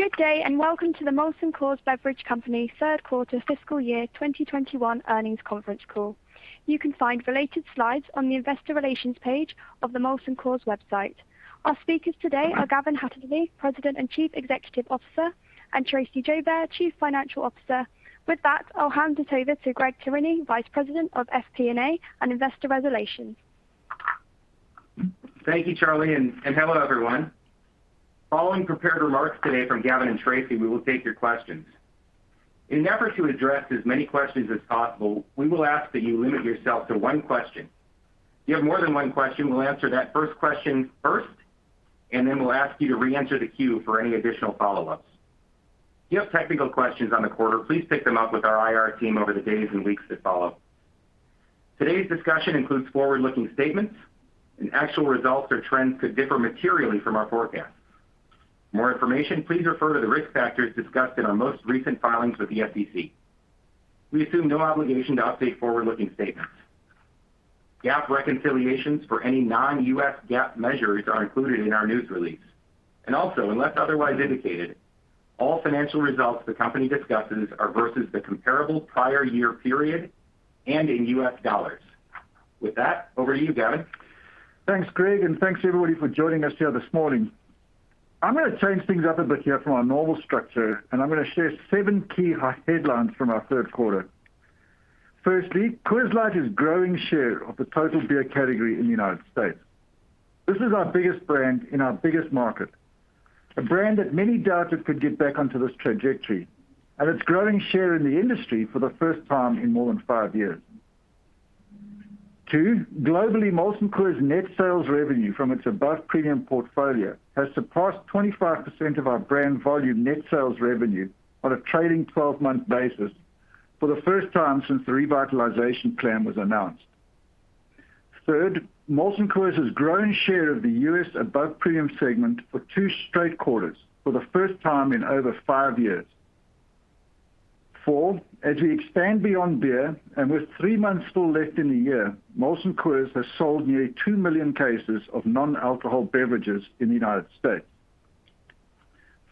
Good day, and welcome to the Molson Coors Beverage Company Q3 fiscal year 2021 earnings conference call. You can find related slides on the investor relations page of the Molson Coors website. Our speakers today are Gavin Hattersley, President and Chief Executive Officer, and Tracey Joubert, Chief Financial Officer. With that, I'll hand it over to Greg Tierney, Vice President of FP&A and Investor Relations. Thank you, Charlie, and hello, everyone. Following prepared remarks today from Gavin and Tracy, we will take your questions. In an effort to address as many questions as possible, we will ask that you limit yourself to one question. If you have more than one question, we'll answer that first question first, and then we'll ask you to re-enter the queue for any additional follow-ups. If you have technical questions on the quarter, please take them up with our IR team over the days and weeks that follow. Today's discussion includes forward-looking statements, and actual results or trends could differ materially from our forecast. For more information, please refer to the risk factors discussed in our most recent filings with the SEC. We assume no obligation to update forward-looking statements. GAAP reconciliations for any non-U.S. GAAP measures are included in our news release. Unless otherwise indicated, all financial results the company discusses are versus the comparable prior year period and in U.S. dollars. With that, over to you, Gavin. Thanks, Greg, and thanks everybody for joining us here this morning. I'm gonna change things up a bit here from our normal structure, and I'm gonna share seven key high headlines from our Q3. Firstly, Coors Light is growing share of the total beer category in the United States. This is our biggest brand in our biggest market, a brand that many doubted could get back onto this trajectory. It's growing share in the industry for the first time in more than five years. Two, globally, Molson Coors net sales revenue from its above-premium portfolio has surpassed 25% of our brand volume net sales revenue on a trailing twelve-month basis for the first time since the revitalization plan was announced. Third, Molson Coors has grown share of the U.S. above-premium segment for two straight quarters for the first time in over five years. Four, as we expand beyond beer and with three months still left in the year, Molson Coors has sold nearly 2 million cases of non-alcoholic beverages in the United States.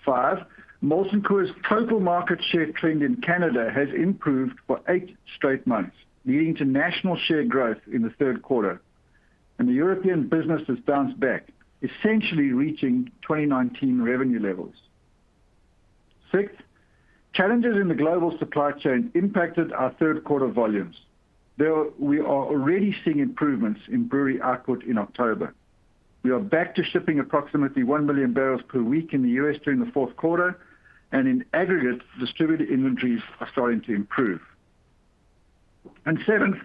Five, Molson Coors total market share trend in Canada has improved for 8 straight months, leading to national share growth in the Q3. The European business has bounced back, essentially reaching 2019 revenue levels. Six, challenges in the global supply chain impacted our Q3 volumes, though we are already seeing improvements in brewery output in October. We are back to shipping approximately 1 million barrels per week in the U.S. during the Q4, and in aggregate, distributor inventories are starting to improve. Seventh,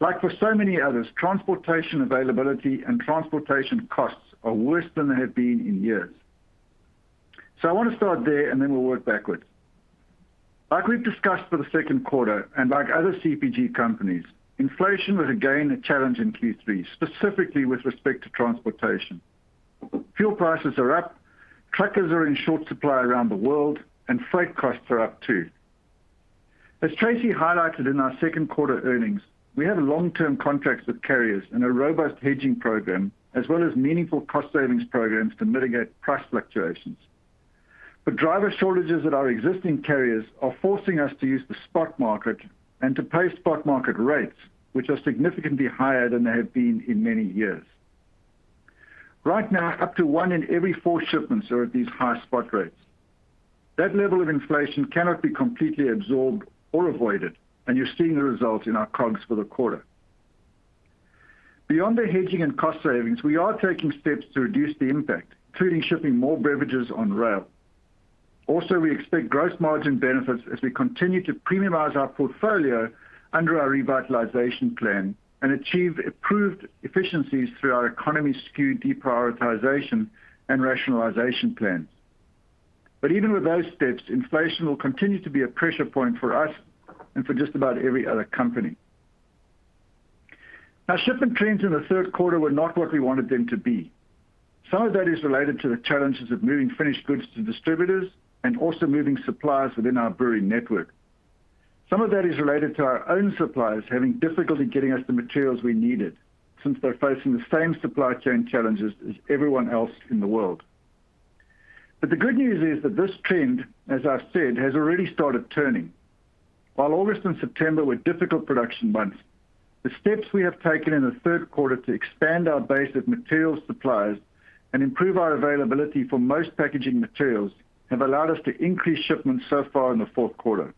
like for so many others, transportation availability and transportation costs are worse than they have been in years. I wanna start there, and then we'll work backwards. Like we've discussed for the Q2, and like other CPG companies, inflation was again a challenge in Q3, specifically with respect to transportation. Fuel prices are up, truckers are in short supply around the world, and freight costs are up too. As Tracy highlighted in our Q2 earnings, we have long-term contracts with carriers and a robust hedging program, as well as meaningful cost savings programs to mitigate price fluctuations. Driver shortages at our existing carriers are forcing us to use the spot market and to pay spot market rates, which are significantly higher than they have been in many years. Right now, up to one in every four shipments are at these high spot rates. That level of inflation cannot be completely absorbed or avoided, and you're seeing the results in our COGS for the quarter. Beyond the hedging and cost savings, we are taking steps to reduce the impact, including shipping more beverages on rail. Also, we expect gross margin benefits as we continue to premiumize our portfolio under our revitalization plan and achieve improved efficiencies through our economy SKU deprioritization and rationalization plans. Even with those steps, inflation will continue to be a pressure point for us and for just about every other company. Our shipment trends in the Q3 were not what we wanted them to be. Some of that is related to the challenges of moving finished goods to distributors and also moving suppliers within our brewery network. Some of that is related to our own suppliers having difficulty getting us the materials we needed since they're facing the same supply chain challenges as everyone else in the world. The good news is that this trend, as I've said, has already started turning. While August and September were difficult production months, the steps we have taken in the Q3 to expand our base of materials suppliers and improve our availability for most packaging materials have allowed us to increase shipments so far in the Q4.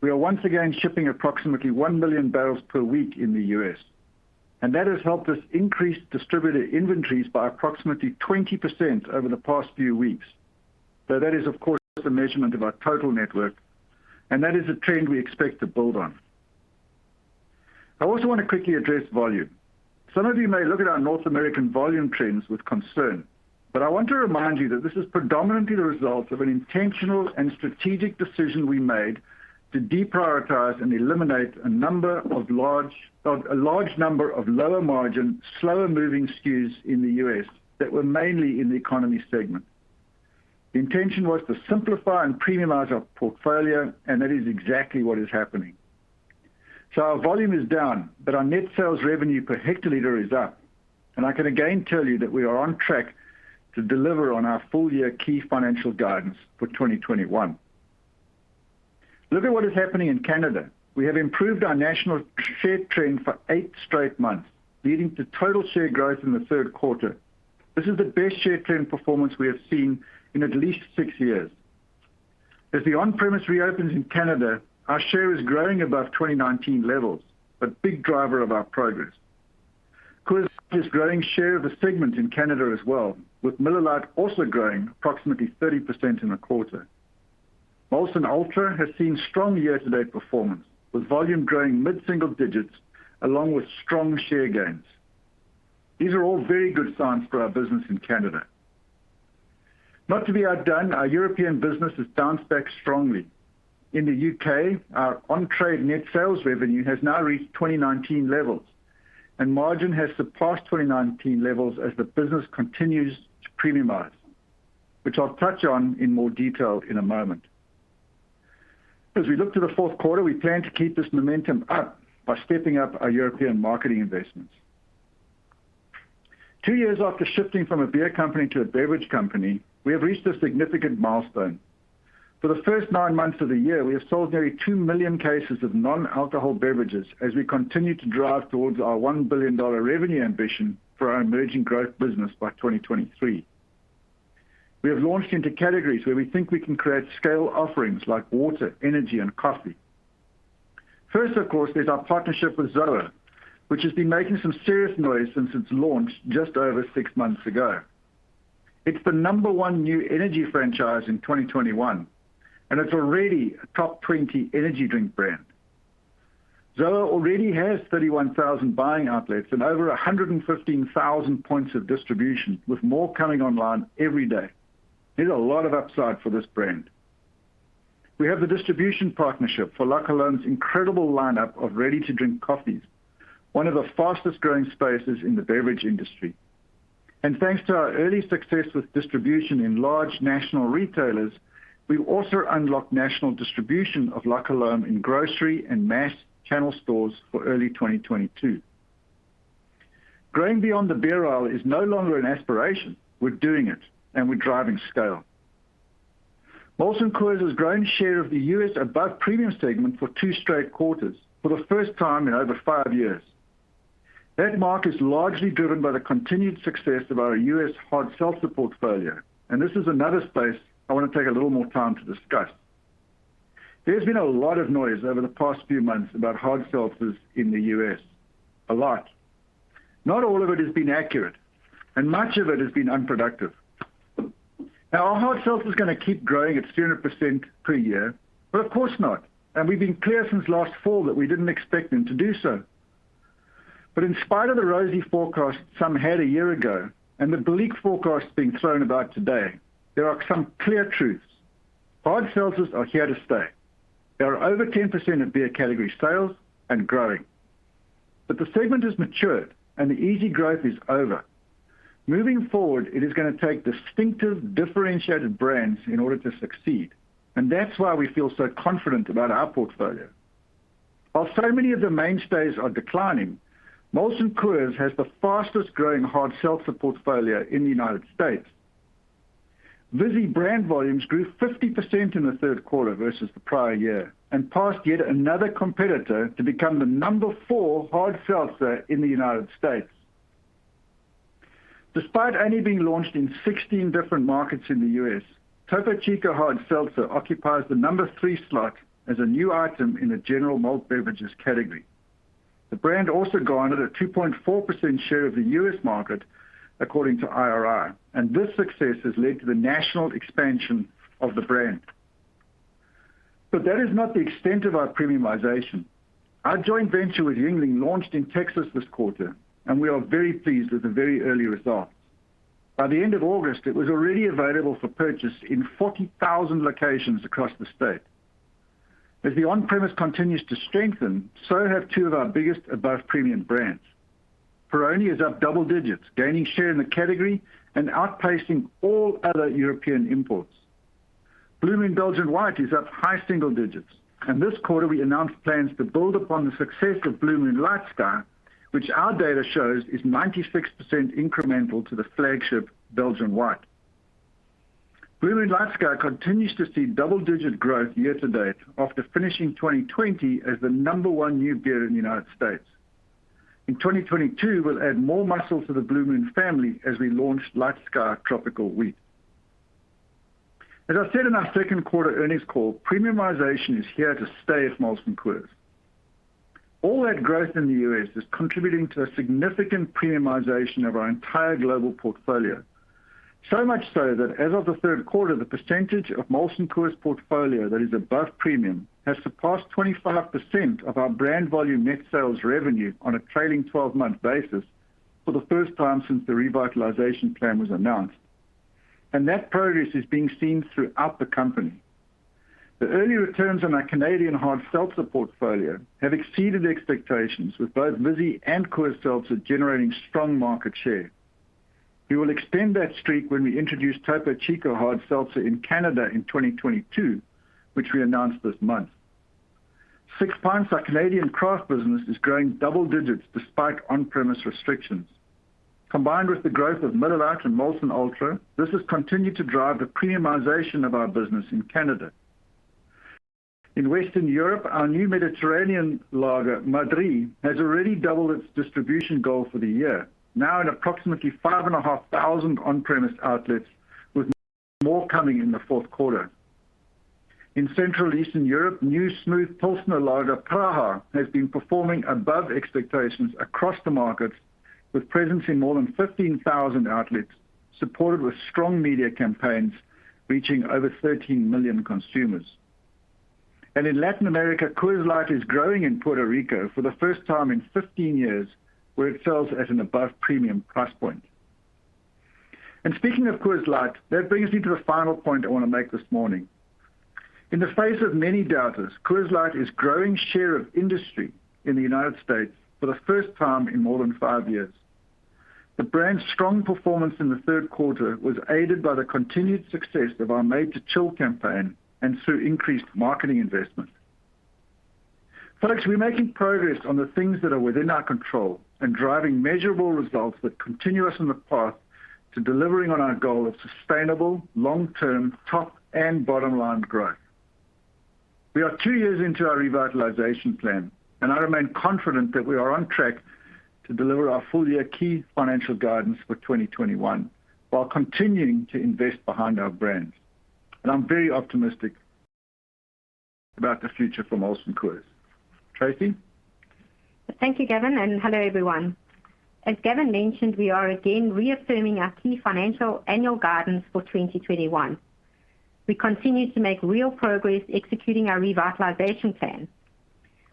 We are once again shipping approximately 1 million barrels per week in the U.S., and that has helped us increase distributor inventories by approximately 20% over the past few weeks. Though that is, of course, just a measurement of our total network, and that is a trend we expect to build on. I also want to quickly address volume. Some of you may look at our North American volume trends with concern, but I want to remind you that this is predominantly the result of an intentional and strategic decision we made to deprioritize and eliminate a large number of lower margin, slower-moving SKUs in the U.S. that were mainly in the economy segment. The intention was to simplify and premiumize our portfolio, and that is exactly what is happening. Our volume is down, but our net sales revenue per hectoliter is up. I can again tell you that we are on track to deliver on our full-year key financial guidance for 2021. Look at what is happening in Canada. We have improved our national share trend for eight straight months, leading to total share growth in the Q3. This is the best share trend performance we have seen in at least 6 years. As the on-premise reopens in Canada, our share is growing above 2019 levels, a big driver of our progress. Coors is growing share of the segment in Canada as well, with Miller Lite also growing approximately 30% in the quarter. Molson Ultra has seen strong year-to-date performance, with volume growing mid-single digits along with strong share gains. These are all very good signs for our business in Canada. Not to be outdone, our European business has bounced back strongly. In the U.K., our on-trade net sales revenue has now reached 2019 levels, and margin has surpassed 2019 levels as the business continues to premiumize, which I'll touch on in more detail in a moment. As we look to the Q4, we plan to keep this momentum up by stepping up our European marketing investments. Two years after shifting from a beer company to a beverage company, we have reached a significant milestone. For the first nine months of the year, we have sold nearly 2 million cases of non-alcohol beverages as we continue to drive towards our $1 billion revenue ambition for our emerging growth business by 2023. We have launched into categories where we think we can create scale offerings like water, energy and coffee. First, of course, there's our partnership with ZOA, which has been making some serious noise since its launch just over 6 months ago. It's the number one new energy franchise in 2021, and it's already a top 20 energy drink brand. ZOA already has 31,000 buying outlets and over 115,000 points of distribution, with more coming online every day. There's a lot of upside for this brand. We have the distribution partnership for La Colombe's incredible lineup of ready-to-drink coffees, one of the fastest-growing spaces in the beverage industry. Thanks to our early success with distribution in large national retailers, we've also unlocked national distribution of La Colombe in grocery and mass channel stores for early 2022. Growing beyond the beer aisle is no longer an aspiration. We're doing it, and we're driving scale. Molson Coors has grown share of the U.S. above premium segment for two straight quarters for the first time in over five years. That mark is largely driven by the continued success of our U.S. hard seltzer portfolio, and this is another space I want to take a little more time to discuss. There's been a lot of noise over the past few months about hard seltzers in the U.S. A lot. Not all of it has been accurate, and much of it has been unproductive. Now, are hard seltzers gonna keep growing at 300% per year? Well, of course not. We've been clear since last fall that we didn't expect them to do so. In spite of the rosy forecast some had a year ago and the bleak forecast being thrown about today, there are some clear truths. Hard seltzers are here to stay. There are over 10% of beer category sales and growing. The segment has matured and the easy growth is over. Moving forward, it is gonna take distinctive, differentiated brands in order to succeed, and that's why we feel so confident about our portfolio. While so many of the mainstays are declining, Molson Coors has the fastest-growing hard seltzer portfolio in the United States. Vizzy brand volumes grew 50% in the Q3 versus the prior year and passed yet another competitor to become the number 4 hard seltzer in the United States. Despite only being launched in 16 different markets in the U.S., Topo Chico Hard Seltzer occupies the number three slot as a new item in the general malt beverages category. The brand also garnered a 2.4% share of the U.S. market according to IRI, and this success has led to the national expansion of the brand. That is not the extent of our premiumization. Our joint venture with Yuengling launched in Texas this quarter, and we are very pleased with the very early results. By the end of August, it was already available for purchase in 40,000 locations across the state. As the on-premise continues to strengthen, so have two of our biggest above-premium brands. Peroni is up double digits, gaining share in the category and outpacing all other European imports. Blue Moon Belgian White is up high single digits, and this quarter we announced plans to build upon the success of Blue Moon LightSky, which our data shows is 96% incremental to the flagship Belgian White. Blue Moon LightSky continues to see double-digit growth year to date after finishing 2020 as the number one new beer in the United States. In 2022, we'll add more muscle to the Blue Moon family as we launch LightSky Tropical Wheat. As I said in our Q2 earnings call, premiumization is here to stay at Molson Coors. All that growth in the U.S. is contributing to a significant premiumization of our entire global portfolio. So much so that as of the Q3, the percentage of Molson Coors' portfolio that is above premium has surpassed 25% of our brand volume net sales revenue on a trailing twelve-month basis for the first time since the revitalization plan was announced. That progress is being seen throughout the company. The early returns on our Canadian hard seltzer portfolio have exceeded expectations, with both Vizzy and Coors Seltzer generating strong market share. We will extend that streak when we introduce Topo Chico Hard Seltzer in Canada in 2022, which we announced this month. Six Pints, our Canadian craft business, is growing double digits despite on-premise restrictions. Combined with the growth of Miller Lite and Molson Ultra, this has continued to drive the premiumization of our business in Canada. In Western Europe, our new Mediterranean lager, Madrí, has already doubled its distribution goal for the year. Now in approximately 5,500 on-premise outlets, with more coming in the Q4. In Central Eastern Europe, new smooth Pilsner lager, Pravha, has been performing above expectations across the market, with presence in more than 15,000 outlets, supported with strong media campaigns reaching over 13 million consumers. In Latin America, Coors Light is growing in Puerto Rico for the first time in 15 years, where it sells at an above-premium price point. Speaking of Coors Light, that brings me to the final point I want to make this morning. In the face of many doubters, Coors Light is growing share of industry in the United States for the first time in more than five years. The brand's strong performance in the Q3 was aided by the continued success of our Made to Chill campaign and through increased marketing investment. Folks, we're making progress on the things that are within our control and driving measurable results that continue us on the path to delivering on our goal of sustainable, long-term, top, and bottom-line growth. We are two years into our revitalization plan, and I remain confident that we are on track to deliver our full-year key financial guidance for 2021 while continuing to invest behind our brands. I'm very optimistic about the future for Molson Coors. Tracy? Thank you, Gavin, and hello, everyone. As Gavin mentioned, we are again reaffirming our key financial annual guidance for 2021. We continue to make real progress executing our revitalization plan.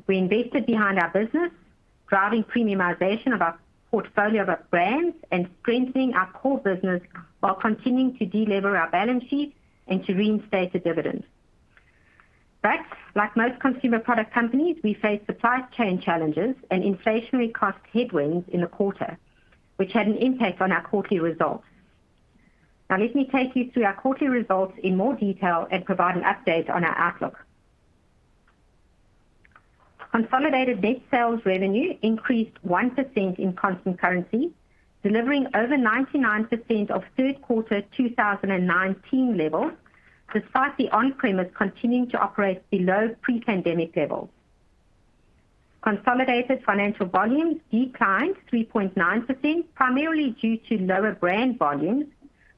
We invested behind our business, driving premiumization of our portfolio of our brands and strengthening our core business while continuing to delever our balance sheet and to reinstate the dividend. Like most consumer product companies, we faced supply chain challenges and inflationary cost headwinds in the quarter, which had an impact on our quarterly results. Now let me take you through our quarterly results in more detail and provide an update on our outlook. Consolidated net sales revenue increased 1% in constant currency, delivering over 99% of Q3 2019 levels, despite the on-premise continuing to operate below pre-pandemic levels. Consolidated financial volumes declined 3.9%, primarily due to lower brand volumes,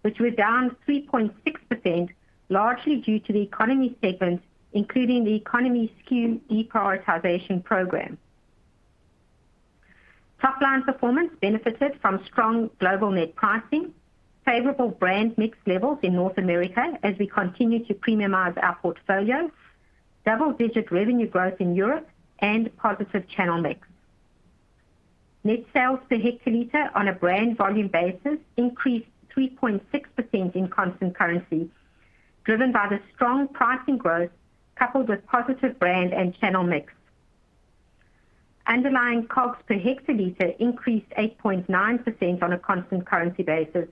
which were down 3.6%, largely due to the economy segment, including the economy SKU deprioritization program. Top-line performance benefited from strong global net pricing, favorable brand mix levels in North America as we continue to premiumize our portfolio, double-digit revenue growth in Europe and positive channel mix. Net sales per hectoliter on a brand volume basis increased 3.6% in constant currency, driven by the strong pricing growth coupled with positive brand and channel mix. Underlying COGS per hectoliter increased 8.9% on a constant currency basis,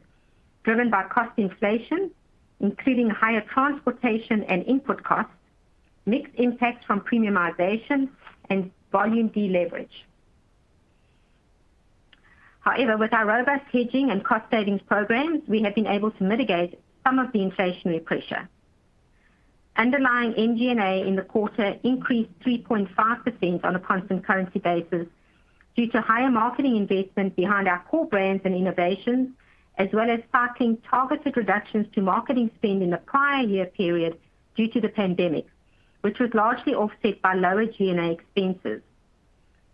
driven by cost inflation, including higher transportation and input costs, mixed impacts from premiumization and volume deleverage. However, with our robust hedging and cost savings programs, we have been able to mitigate some of the inflationary pressure. Underlying MG&A in the quarter increased 3.5% on a constant currency basis due to higher marketing investment behind our core brands and innovations, as well as cycling targeted reductions to marketing spend in the prior year period due to the pandemic, which was largely offset by lower G&A expenses.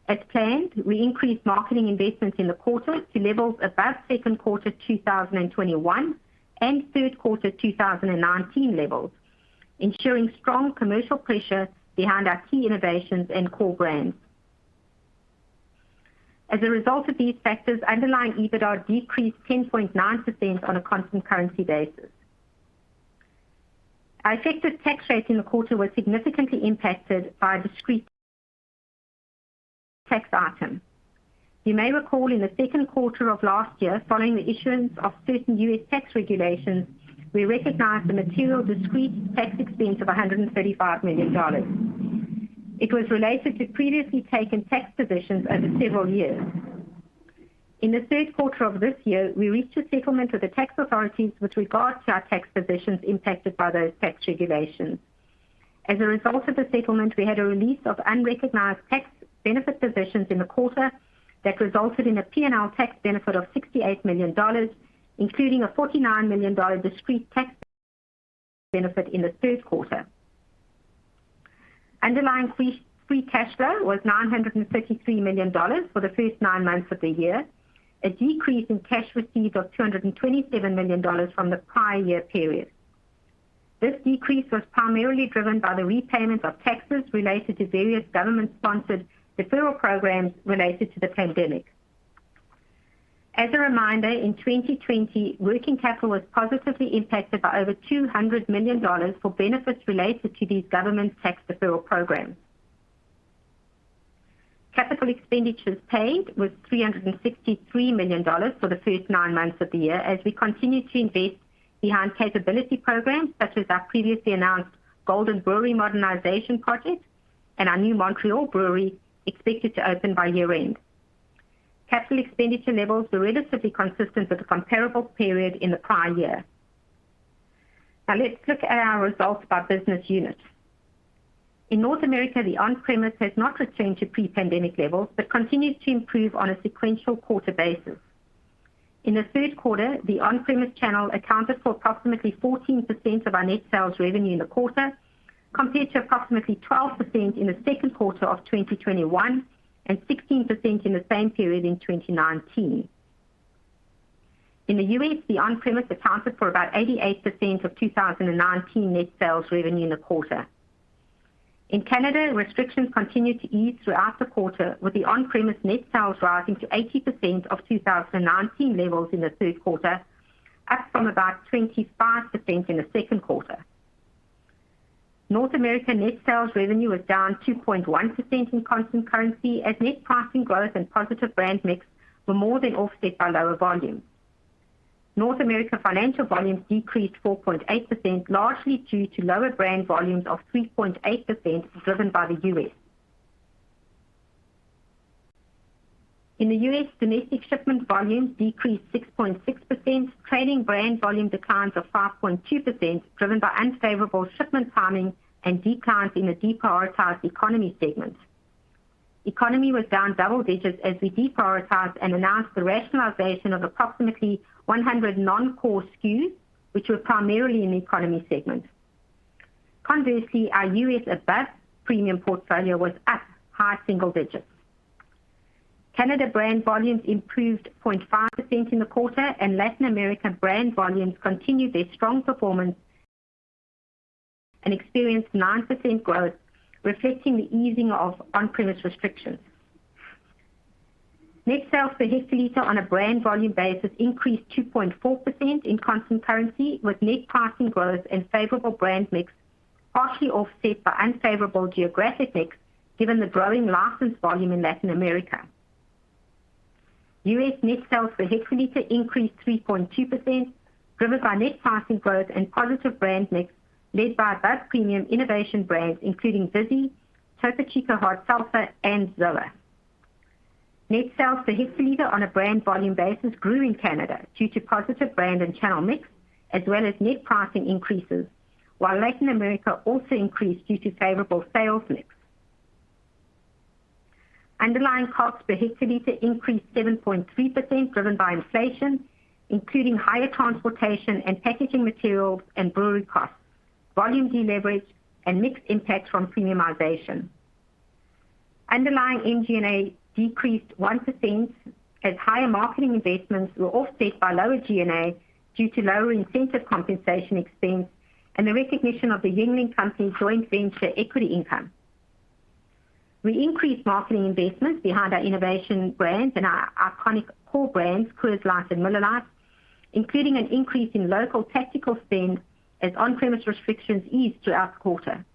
As planned, we increased marketing investments in the quarter to levels above Q2 2021 and Q3 2019 levels, ensuring strong commercial pressure behind our key innovations and core brands. As a result of these factors, underlying EBITDA decreased 10.9% on a constant currency basis. Our effective tax rate in the quarter was significantly impacted by a discrete tax item. You may recall in the Q2 of last year, following the issuance of certain U.S. tax regulations, we recognized a material discrete tax expense of $135 million. It was related to previously taken tax positions over several years. In the Q3 of this year, we reached a settlement with the tax authorities with regards to our tax positions impacted by those tax regulations. As a result of the settlement, we had a release of unrecognized tax benefit positions in the quarter that resulted in a P&L tax benefit of $68 million, including a $49 million discrete tax benefit in the Q3. Underlying free cash flow was $933 million for the first nine months of the year, a decrease in cash received of $227 million from the prior year period. This decrease was primarily driven by the repayment of taxes related to various government-sponsored deferral programs related to the pandemic. As a reminder, in 2020, working capital was positively impacted by over $200 million for benefits related to these government tax deferral programs. Capital expenditures paid was $363 million for the first nine months of the year as we continue to invest behind capability programs, such as our previously announced Golden Brewery modernization project and our new Montreal brewery expected to open by year-end. Capital expenditure levels were relatively consistent with the comparable period in the prior year. Now let's look at our results by business unit. In North America, the on-premise has not returned to pre-pandemic levels, but continues to improve on a sequential quarter basis. In the Q3, the on-premise channel accounted for approximately 14% of our net sales revenue in the quarter, compared to approximately 12% in the Q2 of 2021 and 16% in the same period in 2019. In the U.S., the on-premise accounted for about 88% of 2019 net sales revenue in the quarter. In Canada, restrictions continued to ease throughout the quarter, with the on-premise net sales rising to 80% of 2019 levels in the Q3, up from about 25% in the Q2. North America net sales revenue was down 2.1% in constant currency as net pricing growth and positive brand mix were more than offset by lower volume. North America financial volumes decreased 4.8%, largely due to lower brand volumes of 3.8%, driven by the U.S. In the U.S., domestic shipment volumes decreased 6.6%, trading brand volume declines of 5.2%, driven by unfavorable shipment timing and declines in the deprioritized economy segment. Economy was down double digits as we deprioritized and announced the rationalization of approximately 100 non-core SKUs, which were primarily in the economy segment. Conversely, our U.S. above premium portfolio was up high single digits. Canada brand volumes improved 0.5% in the quarter, and Latin America brand volumes continued their strong performance and experienced 9% growth, reflecting the easing of on-premise restrictions. Net sales per hectoliter on a brand volume basis increased 2.4% in constant currency, with net pricing growth and favorable brand mix partially offset by unfavorable geographic mix given the growing license volume in Latin America. U.S. net sales per hectoliter increased 3.2%, driven by net pricing growth and positive brand mix led by above premium innovation brands including Vizzy, Topo Chico Hard Seltzer, and ZOA. Net sales per hectoliter on a brand volume basis grew in Canada due to positive brand and channel mix, as well as net pricing increases, while Latin America also increased due to favorable sales mix. Underlying costs per hectoliter increased 7.3%, driven by inflation, including higher transportation and packaging materials and brewery costs, volume deleverage, and mixed impact from premiumization. Underlying MG&A decreased 1% as higher marketing investments were offset by lower G&A due to lower incentive compensation expense and the recognition of the Yuengling Company joint venture equity income. We increased marketing investments behind our innovation brands and our iconic core brands, Coors Light and Miller Lite, including an increase in local tactical spend as on-premise restrictions eased throughout the quarter.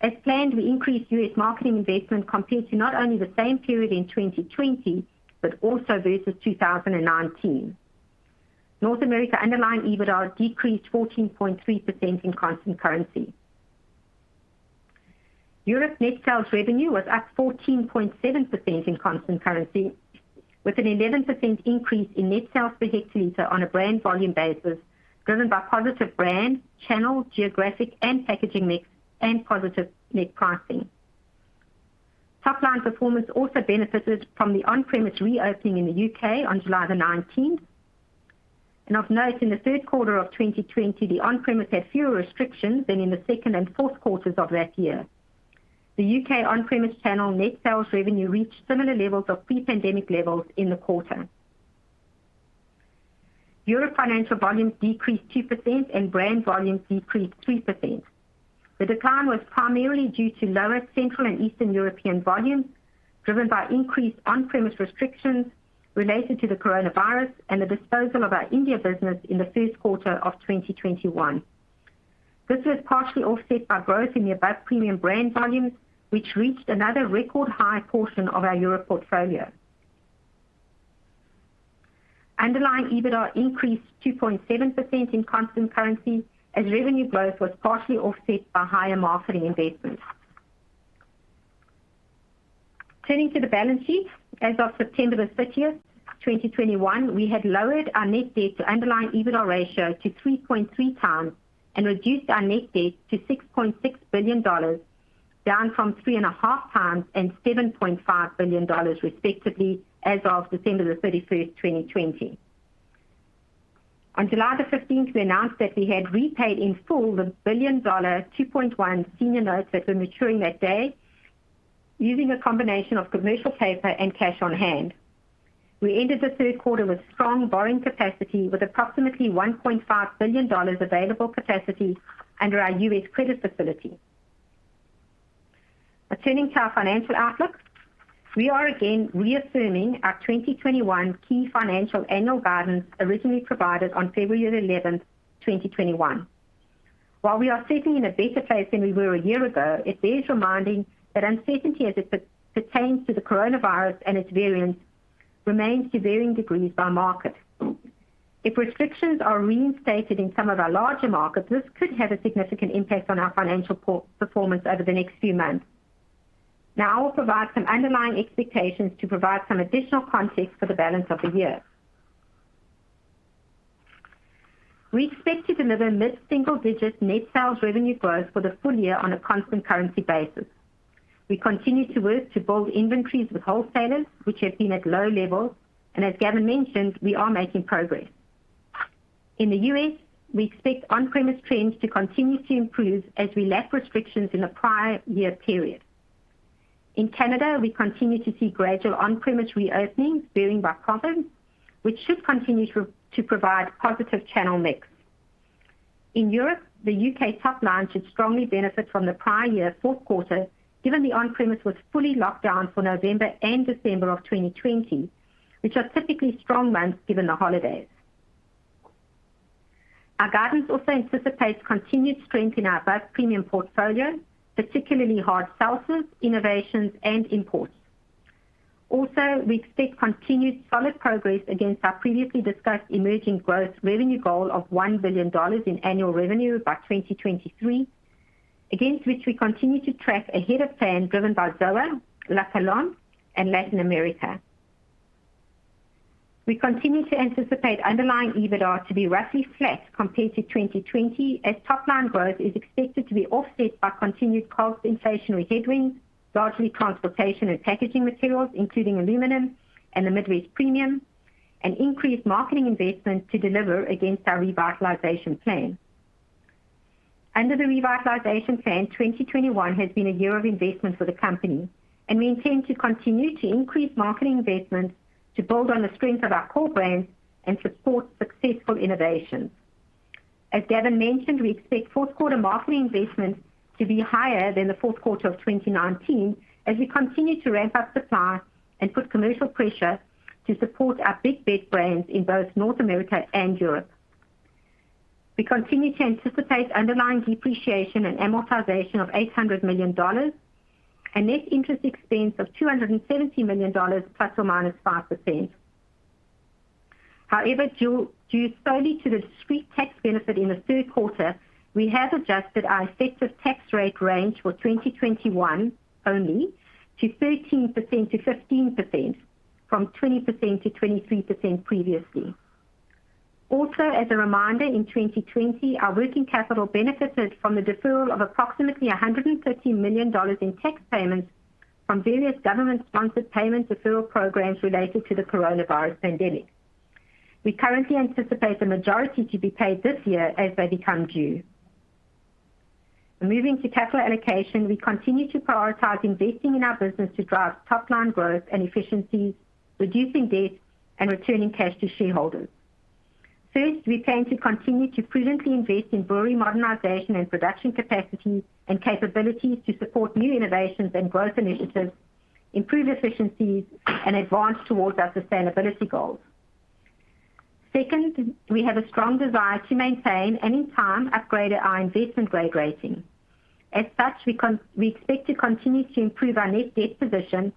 As planned, we increased U.S. marketing investment compared to not only the same period in 2020, but also versus 2019. North America underlying EBITDA decreased 14.3% in constant currency. Europe net sales revenue was up 14.7% in constant currency, with an 11% increase in net sales per hectoliter on a brand volume basis, driven by positive brand, channel, geographic and packaging mix and positive net pricing. Topline performance also benefited from the on-premise reopening in the U.K. on July 19. Of note, in the Q3 of 2020, the on-premise had fewer restrictions than in the second and Q4s of that year. The U.K. on-premise channel net sales revenue reached similar levels of pre-pandemic levels in the quarter. Europe financial volumes decreased 2% and brand volumes decreased 3%. The decline was primarily due to lower Central and Eastern European volumes, driven by increased on-premise restrictions related to the coronavirus and the disposal of our India business in the Q1 of 2021. This was partially offset by growth in the above premium brand volumes, which reached another record high portion of our Europe portfolio. Underlying EBITDA increased 2.7% in constant currency as revenue growth was partially offset by higher marketing investments. Turning to the balance sheet. As of September 30, 2021, we had lowered our net debt to underlying EBITDA ratio to 3.3 times and reduced our net debt to $6.6 billion, down from 3.5 times and $7.5 billion respectively as of December 31, 2020. On July 15, we announced that we had repaid in full the $1 billion 2.1% senior notes that were maturing that day using a combination of commercial paper and cash on hand. We ended the Q3 with strong borrowing capacity, with approximately $1.5 billion available capacity under our U.S. credit facility. Turning to our financial outlook. We are again reaffirming our 2021 key financial annual guidance originally provided on February 11, 2021. While we are sitting in a better place than we were a year ago, it bears reminding that uncertainty as it pertains to the coronavirus and its variants remains to varying degrees by market. If restrictions are reinstated in some of our larger markets, this could have a significant impact on our financial performance over the next few months. Now I will provide some underlying expectations to provide some additional context for the balance of the year. We expect to deliver mid-single-digit net sales revenue growth for the full year on a constant currency basis. We continue to work to build inventories with wholesalers, which have been at low levels, and as Gavin mentioned, we are making progress. In the U.S., we expect on-premise trends to continue to improve as we lap restrictions in the prior year period. In Canada, we continue to see gradual on-premise reopenings, varying by province, which should continue to provide positive channel mix. In Europe, the U.K. top line should strongly benefit from the prior year Q4, given the on-premise was fully locked down for November and December of 2020, which are typically strong months given the holidays. Our guidance also anticipates continued strength in our above-premium portfolio, particularly hard seltzers, innovations and imports. Also, we expect continued solid progress against our previously discussed emerging growth revenue goal of $1 billion in annual revenue by 2023, against which we continue to track ahead of plan driven by ZOA, La Colombe, and Latin America. We continue to anticipate underlying EBITDA to be roughly flat compared to 2020 as top line growth is expected to be offset by continued cost inflationary headwinds, largely transportation and packaging materials, including aluminum and the Midwest premium, and increased marketing investment to deliver against our revitalization plan. Under the revitalization plan, 2021 has been a year of investment for the company, and we intend to continue to increase marketing investments to build on the strength of our core brands and support successful innovations. As Gavin mentioned, we expect Q4 marketing investments to be higher than the Q4 of 2019 as we continue to ramp up supply and put commercial pressure to support our big, big brands in both North America and Europe. We continue to anticipate underlying depreciation and amortization of $800 million and net interest expense of $270 million ±5%. However, due solely to the discrete tax benefit in the Q3, we have adjusted our effective tax rate range for 2021 only to 13%-15% from 20%-23% previously. Also, as a reminder, in 2020, our working capital benefited from the deferral of approximately $130 million in tax payments from various government-sponsored payment deferral programs related to the coronavirus pandemic. We currently anticipate the majority to be paid this year as they become due. Moving to capital allocation, we continue to prioritize investing in our business to drive top line growth and efficiencies, reducing debt and returning cash to shareholders. First, we plan to continue to prudently invest in brewery modernization and production capacity and capabilities to support new innovations and growth initiatives, improve efficiencies and advance towards our sustainability goals. Second, we have a strong desire to maintain and in time upgrade our investment grade rating. As such, we expect to continue to improve our net debt position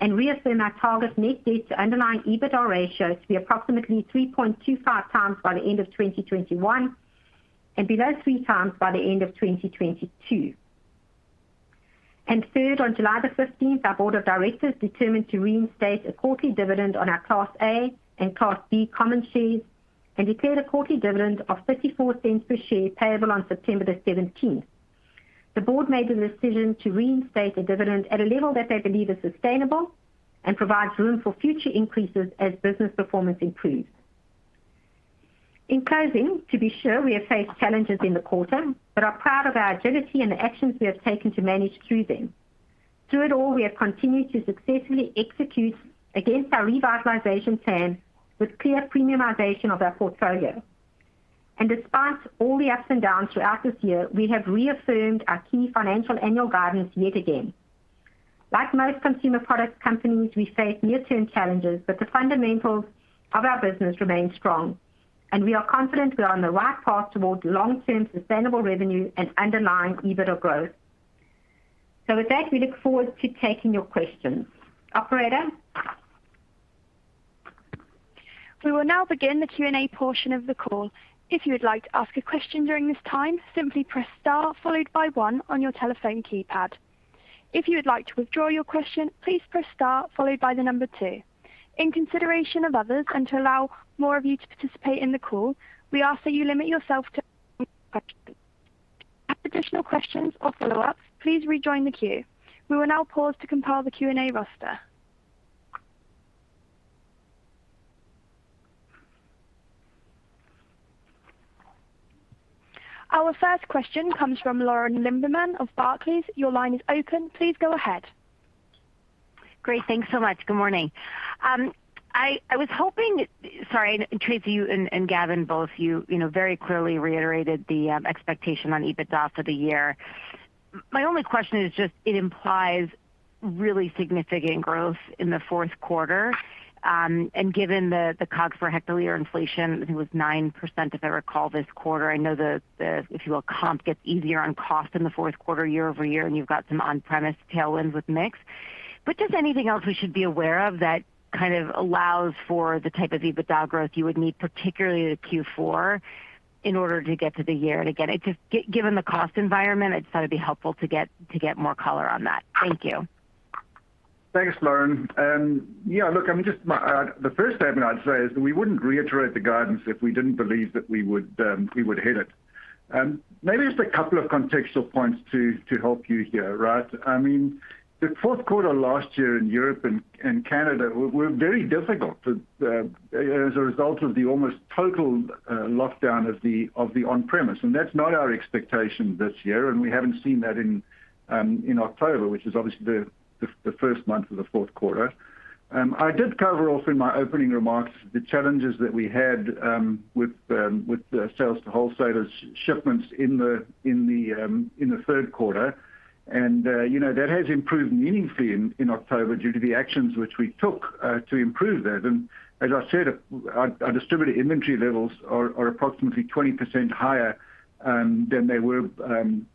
and reaffirm our target net debt to underlying EBITDA ratio to be approximately 3.25x by the end of 2021 and below 3x by the end of 2022. Third, on July 15, our board of directors determined to reinstate a quarterly dividend on our class A and class B common shares and declared a quarterly dividend of $0.54 per share payable on September 17. The board made the decision to reinstate a dividend at a level that they believe is sustainable and provides room for future increases as business performance improves. In closing, to be sure, we have faced challenges in the quarter, but are proud of our agility and the actions we have taken to manage through them. Through it all, we have continued to successfully execute against our revitalization plan with clear premiumization of our portfolio. Despite all the ups and downs throughout this year, we have reaffirmed our key financial annual guidance yet again. Like most consumer products companies, we face near-term challenges, but the fundamentals of our business remain strong, and we are confident we are on the right path towards long-term sustainable revenue and underlying EBITDA growth. With that, we look forward to taking your questions. Operator? We will now begin the Q&A portion of the call. If you would like to ask a question during this time, simply press star followed by one on your telephone keypad. If you would like to withdraw your question, please press star followed by the number two. In consideration of others and to allow more of you to participate in the call, we ask that you limit yourself to one question. For additional questions or follow-ups, please rejoin the queue. We will now pause to compile the Q&A roster. Our first question comes from Lauren Lieberman of Barclays. Your line is open. Please go ahead. Great. Thanks so much. Good morning. Sorry, Tracy, you and Gavin both, you know, very clearly reiterated the expectation on EBITDA for the year. My only question is just it implies really significant growth in the Q4, and given the COGS for hectoliter inflation, I think it was 9%, if I recall, this quarter. I know the if you will, comp gets easier on cost in the Q4 year-over-year, and you've got some on-premise tailwinds with mix. But just anything else we should be aware of that kind of allows for the type of EBITDA growth you would need, particularly the Q4, in order to get to the year. Again, it just, given the cost environment, I just thought it'd be helpful to get more color on that. Thank you. Thanks, Lauren. Yeah, look, I mean, just the first statement I'd say is that we wouldn't reiterate the guidance if we didn't believe that we would hit it. Maybe just a couple of contextual points to help you here, right? I mean, the Q4 last year in Europe and Canada were very difficult as a result of the almost total lockdown of the on-premise, and that's not our expectation this year, and we haven't seen that in October, which is obviously the first month of the Q4. I did cover off in my opening remarks the challenges that we had with the sales to wholesalers shipments in the Q3. You know, that has improved meaningfully in October due to the actions which we took to improve that. As I said, our distributor inventory levels are approximately 20% higher than they were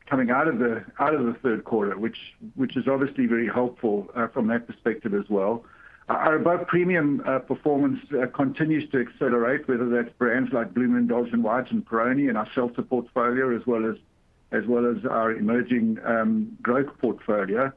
coming out of the Q3, which is obviously very helpful from that perspective as well. Our above-premium performance continues to accelerate, whether that's brands like Blue Moon Belgian White and Peroni and our seltzer portfolio as well as our emerging growth portfolio.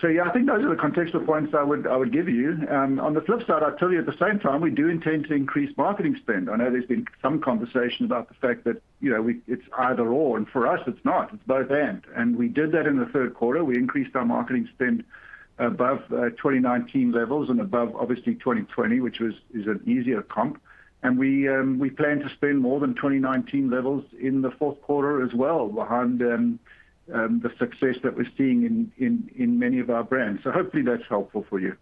So yeah, I think those are the contextual points I would give you. On the flip side, I'll tell you at the same time, we do intend to increase marketing spend. I know there's been some conversation about the fact that, you know, it's either/or, and for us it's not. It's both/and. We did that in the Q3. We increased our marketing spend above 2019 levels and above obviously 2020, which is an easier comp. We plan to spend more than 2019 levels in the Q4 as well behind the success that we're seeing in many of our brands. Hopefully that's helpful for you.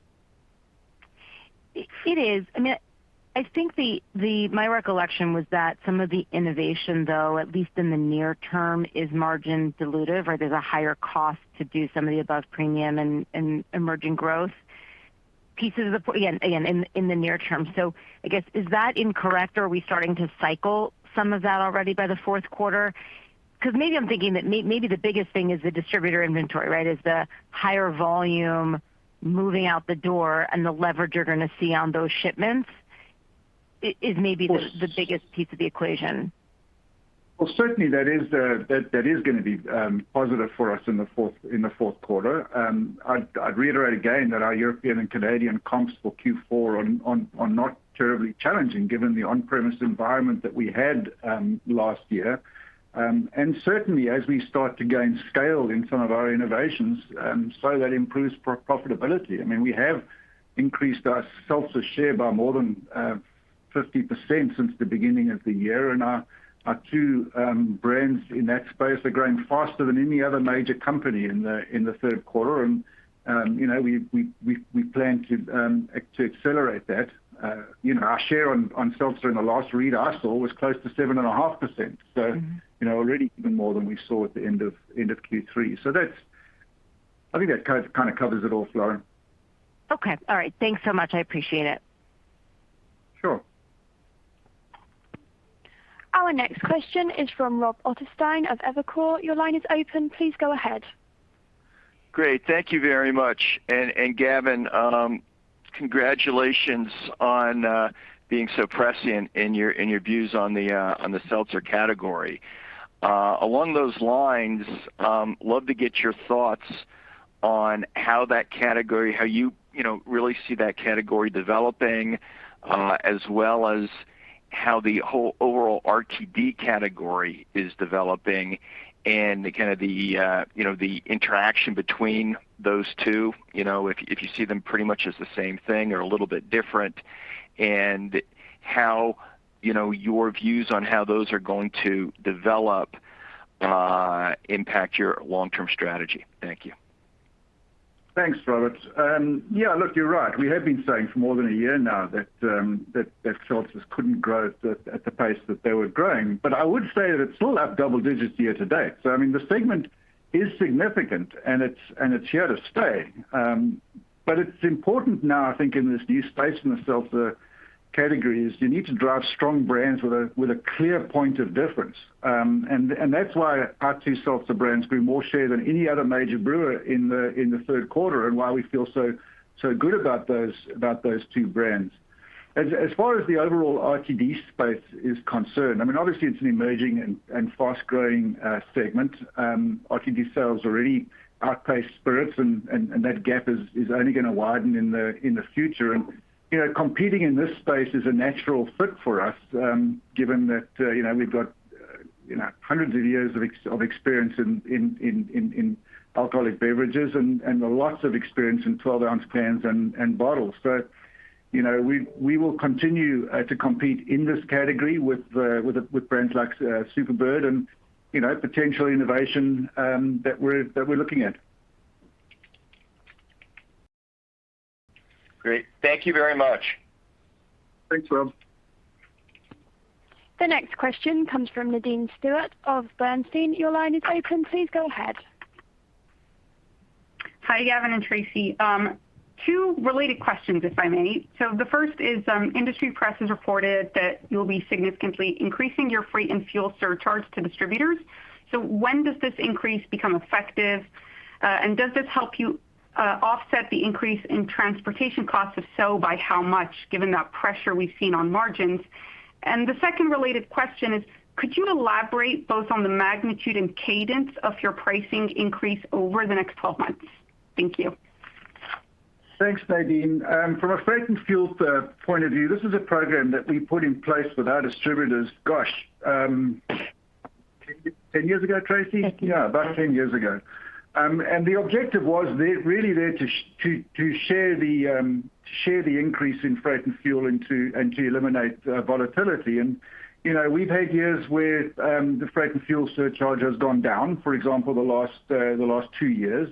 It is. I mean, I think my recollection was that some of the innovation, though, at least in the near term, is margin dilutive, right? There's a higher cost to do some of the above premium and emerging growth pieces again in the near term. I guess, is that incorrect, or are we starting to cycle some of that already by the Q4? 'Cause maybe I'm thinking that maybe the biggest thing is the distributor inventory, right? Is the higher volume moving out the door and the leverage you're gonna see on those shipments is maybe- Of course. the biggest piece of the equation. Certainly that is gonna be positive for us in the Q4. I'd reiterate again that our European and Canadian comps for Q4 are not terribly challenging given the on-premise environment that we had last year. Certainly as we start to gain scale in some of our innovations, so that improves profitability. I mean, we have increased our seltzer share by more than 50% since the beginning of the year. Our two brands in that space are growing faster than any other major company in the Q3. You know, we plan to accelerate that. You know, our share on seltzer in the last read I saw was close to 7.5%. So- Mm-hmm you know, already even more than we saw at the end of Q3. That's, I think, that kind of covers it all, Lauren. Okay. All right. Thanks so much. I appreciate it. Sure. Our next question is from Robert Ottenstein of Evercore. Your line is open. Please go ahead. Great. Thank you very much. Gavin, congratulations on being so prescient in your views on the seltzer category. Along those lines, love to get your thoughts on how you really see that category developing, as well as how the whole overall RTD category is developing and kind of the, you know, the interaction between those two. You know, if you see them pretty much as the same thing or a little bit different, and how your views on how those are going to develop impact your long-term strategy. Thank you. Thanks, Robert. Yeah, look, you're right. We have been saying for more than a year now that seltzers couldn't grow at the pace that they were growing. I would say that it's still up double digits year to date. I mean, the segment is significant, and it's here to stay. It's important now, I think. In this new space in the seltzer category, you need to drive strong brands with a clear point of difference. That's why our two seltzer brands grew more share than any other major brewer in the Q3, and why we feel so good about those two brands. As far as the overall RTD space is concerned, I mean, obviously it's an emerging and fast-growing segment. RTD sales already outpace spirits, and that gap is only gonna widen in the future. You know, competing in this space is a natural fit for us, given that, you know, we've got, you know, hundreds of years of experience in alcoholic beverages and lots of experience in 12-ounce cans and bottles. You know, we will continue to compete in this category with brands like Superbird and, you know, potential innovation that we're looking at. Great. Thank you very much. Thanks, Rob. The next question comes from Nadine Sarwat of Bernstein. Your line is open. Please go ahead. Hi, Gavin Hattersley and Tracey Joubert. Two related questions, if I may. The first is, industry press has reported that you'll be significantly increasing your freight and fuel surcharges to distributors. When does this increase become effective? And does this help you offset the increase in transportation costs? If so, by how much, given that pressure we've seen on margins? The second related question is, could you elaborate both on the magnitude and cadence of your pricing increase over the next twelve months? Thank you. Thanks, Nadine. From a freight and fuel per pint of view, this is a program that we put in place with our distributors, gosh, 10 years ago, Tracey? I think yeah. Yeah, about 10 years ago. The objective was really there to share the increase in freight and fuel and to eliminate volatility. You know, we've had years where the freight and fuel surcharge has gone down, for example, the last 2 years.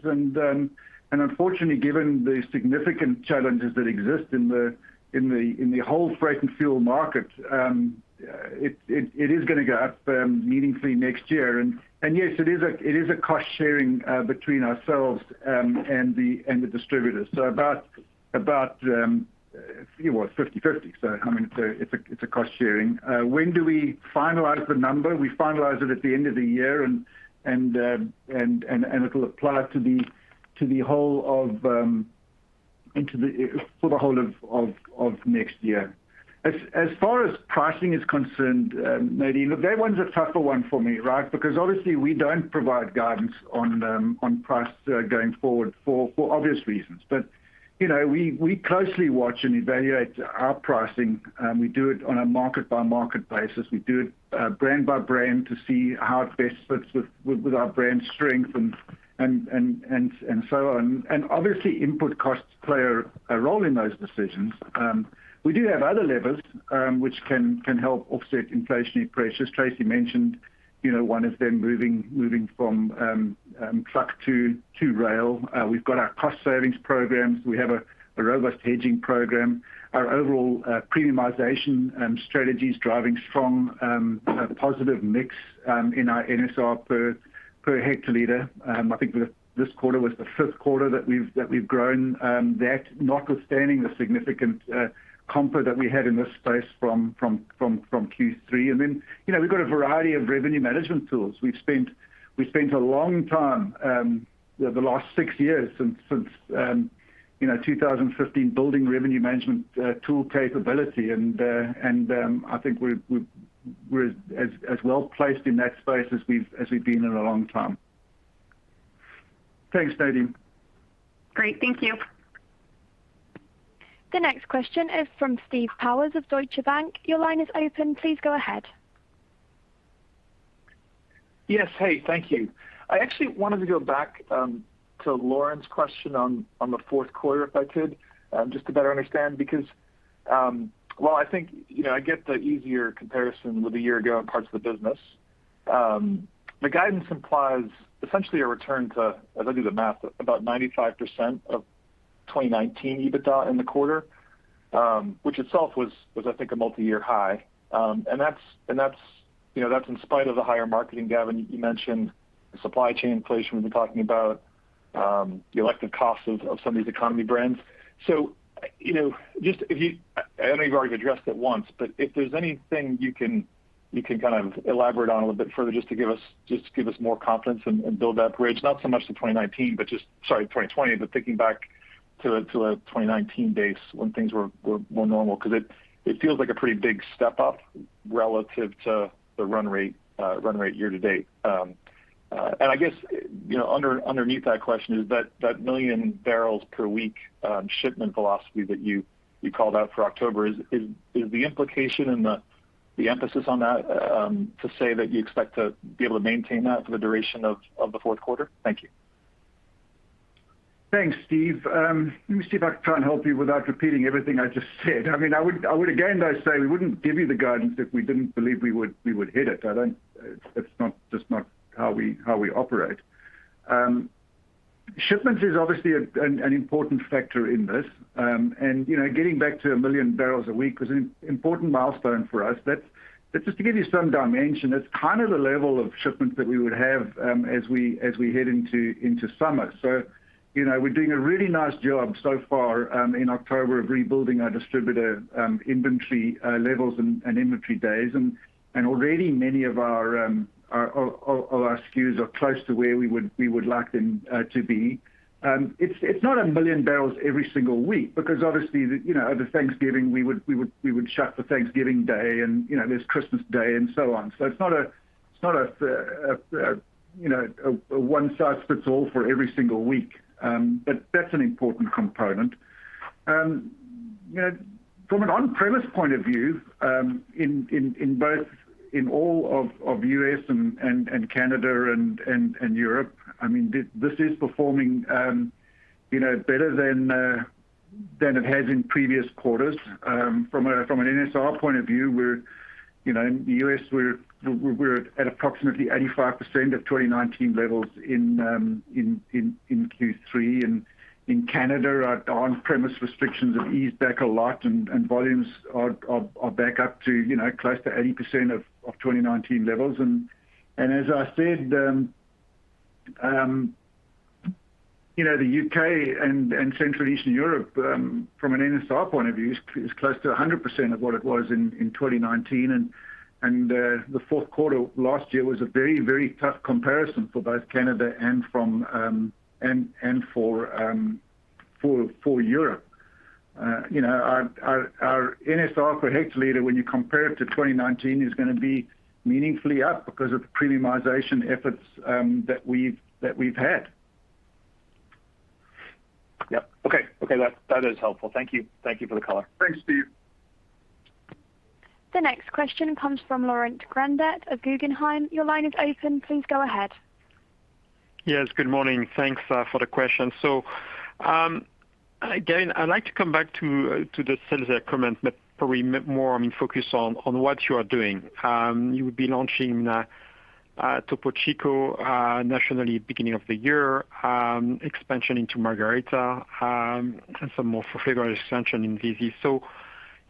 Unfortunately, given the significant challenges that exist in the whole freight and fuel market, it is gonna go up meaningfully next year. Yes, it is a cost sharing between ourselves and the distributors. About it was 50/50. I mean, it's a cost sharing. When do we finalize the number? We finalize it at the end of the year and it'll apply to the whole of next year. As far as pricing is concerned, Nadine, look, that one's a tougher one for me, right? Because obviously we don't provide guidance on price going forward for obvious reasons. You know, we closely watch and evaluate our pricing. We do it on a market by market basis. We do it brand by brand to see how it best fits with our brand strength and so on. Obviously input costs play a role in those decisions. We do have other levers which can help offset inflationary pressures. Tracey mentioned, you know, one is then moving from truck to rail. We've got our cost savings programs. We have a robust hedging program. Our overall premiumization strategy is driving strong positive mix in our NSR per hectoliter. I think this quarter was the fifth quarter that we've grown that notwithstanding the significant comfort that we had in this space from Q3. You know, we've got a variety of revenue management tools. We've spent a long time the last six years since 2015 building revenue management tool capability. I think we're as well-placed in that space as we've been in a long time. Thanks, Nadine. Great. Thank you. The next question is from Steve Powers of Deutsche Bank. Your line is open. Please go ahead. Yes. Hey, thank you. I actually wanted to go back to Lauren's question on the Q4, if I could, just to better understand, because while I think, you know, I get the easier comparison with a year ago in parts of the business, the guidance implies essentially a return to, as I do the math, about 95% of 2019 EBITDA in the quarter, which itself was, I think, a multi-year high. That's, you know, that's in spite of the higher marketing, Gavin, you mentioned, the supply chain inflation we've been talking about, the elective costs of some of these economy brands. You know, just if you—I know you've already addressed it once, but if there's anything you can kind of elaborate on a little bit further just to give us more confidence and build that bridge, not so much to 2019, but just, sorry, 2020, but thinking back to a 2019 base when things were more normal, 'cause it feels like a pretty big step up relative to the run rate year to date. I guess, you know, underneath that question is that 1 million barrels per week shipment philosophy that you called out for October is the implication and the emphasis on that to say that you expect to be able to maintain that for the duration of the Q4? Thank you. Thanks, Steve. Let me see if I can try and help you without repeating everything I just said. I mean, I would again though say we wouldn't give you the guidance if we didn't believe we would hit it. It's just not how we operate. Shipments is obviously an important factor in this. You know, getting back to 1 million barrels a week was an important milestone for us. That's just to give you some dimension. It's kind of the level of shipments that we would have as we head into summer. You know, we're doing a really nice job so far in October of rebuilding our distributor inventory levels and inventory days. Already many of our SKUs are close to where we would like them to be. It's not 1 million barrels every single week because obviously you know, the Thanksgiving we would shut for Thanksgiving Day and, you know, there's Christmas Day and so on. It's not a one size fits all for every single week. But that's an important component. You know, from an on-premise point of view, in all of U.S. and Canada and Europe, I mean, this is performing you know, better than it has in previous quarters. From an NSR point of view, we're—you know, in the U.S. we're at approximately 85% of 2019 levels in Q3. In Canada, our on-premise restrictions have eased back a lot and volumes are back up to, you know, close to 80% of 2019 levels. As I said, you know, the U.K. and Central Eastern Europe, from an NSR point of view is close to 100% of what it was in 2019. The Q4 last year was a very, very tough comparison for both Canada and for Europe. You know, our NSR per hectoliter when you compare it to 2019 is gonna be meaningfully up because of the premiumization efforts that we've had. Yep. Okay. That is helpful. Thank you for the color. Thanks, Steve. The next question comes from Laurent Grandet of Guggenheim. Your line is open. Please go ahead. Yes, good morning. Thanks for the question. Again, I'd like to come back to the seltzer comment, but probably more, I mean, focus on what you are doing. You would be launching Topo Chico nationally beginning of the year, expansion into Margarita, and some more flavor expansion in Vizzy. You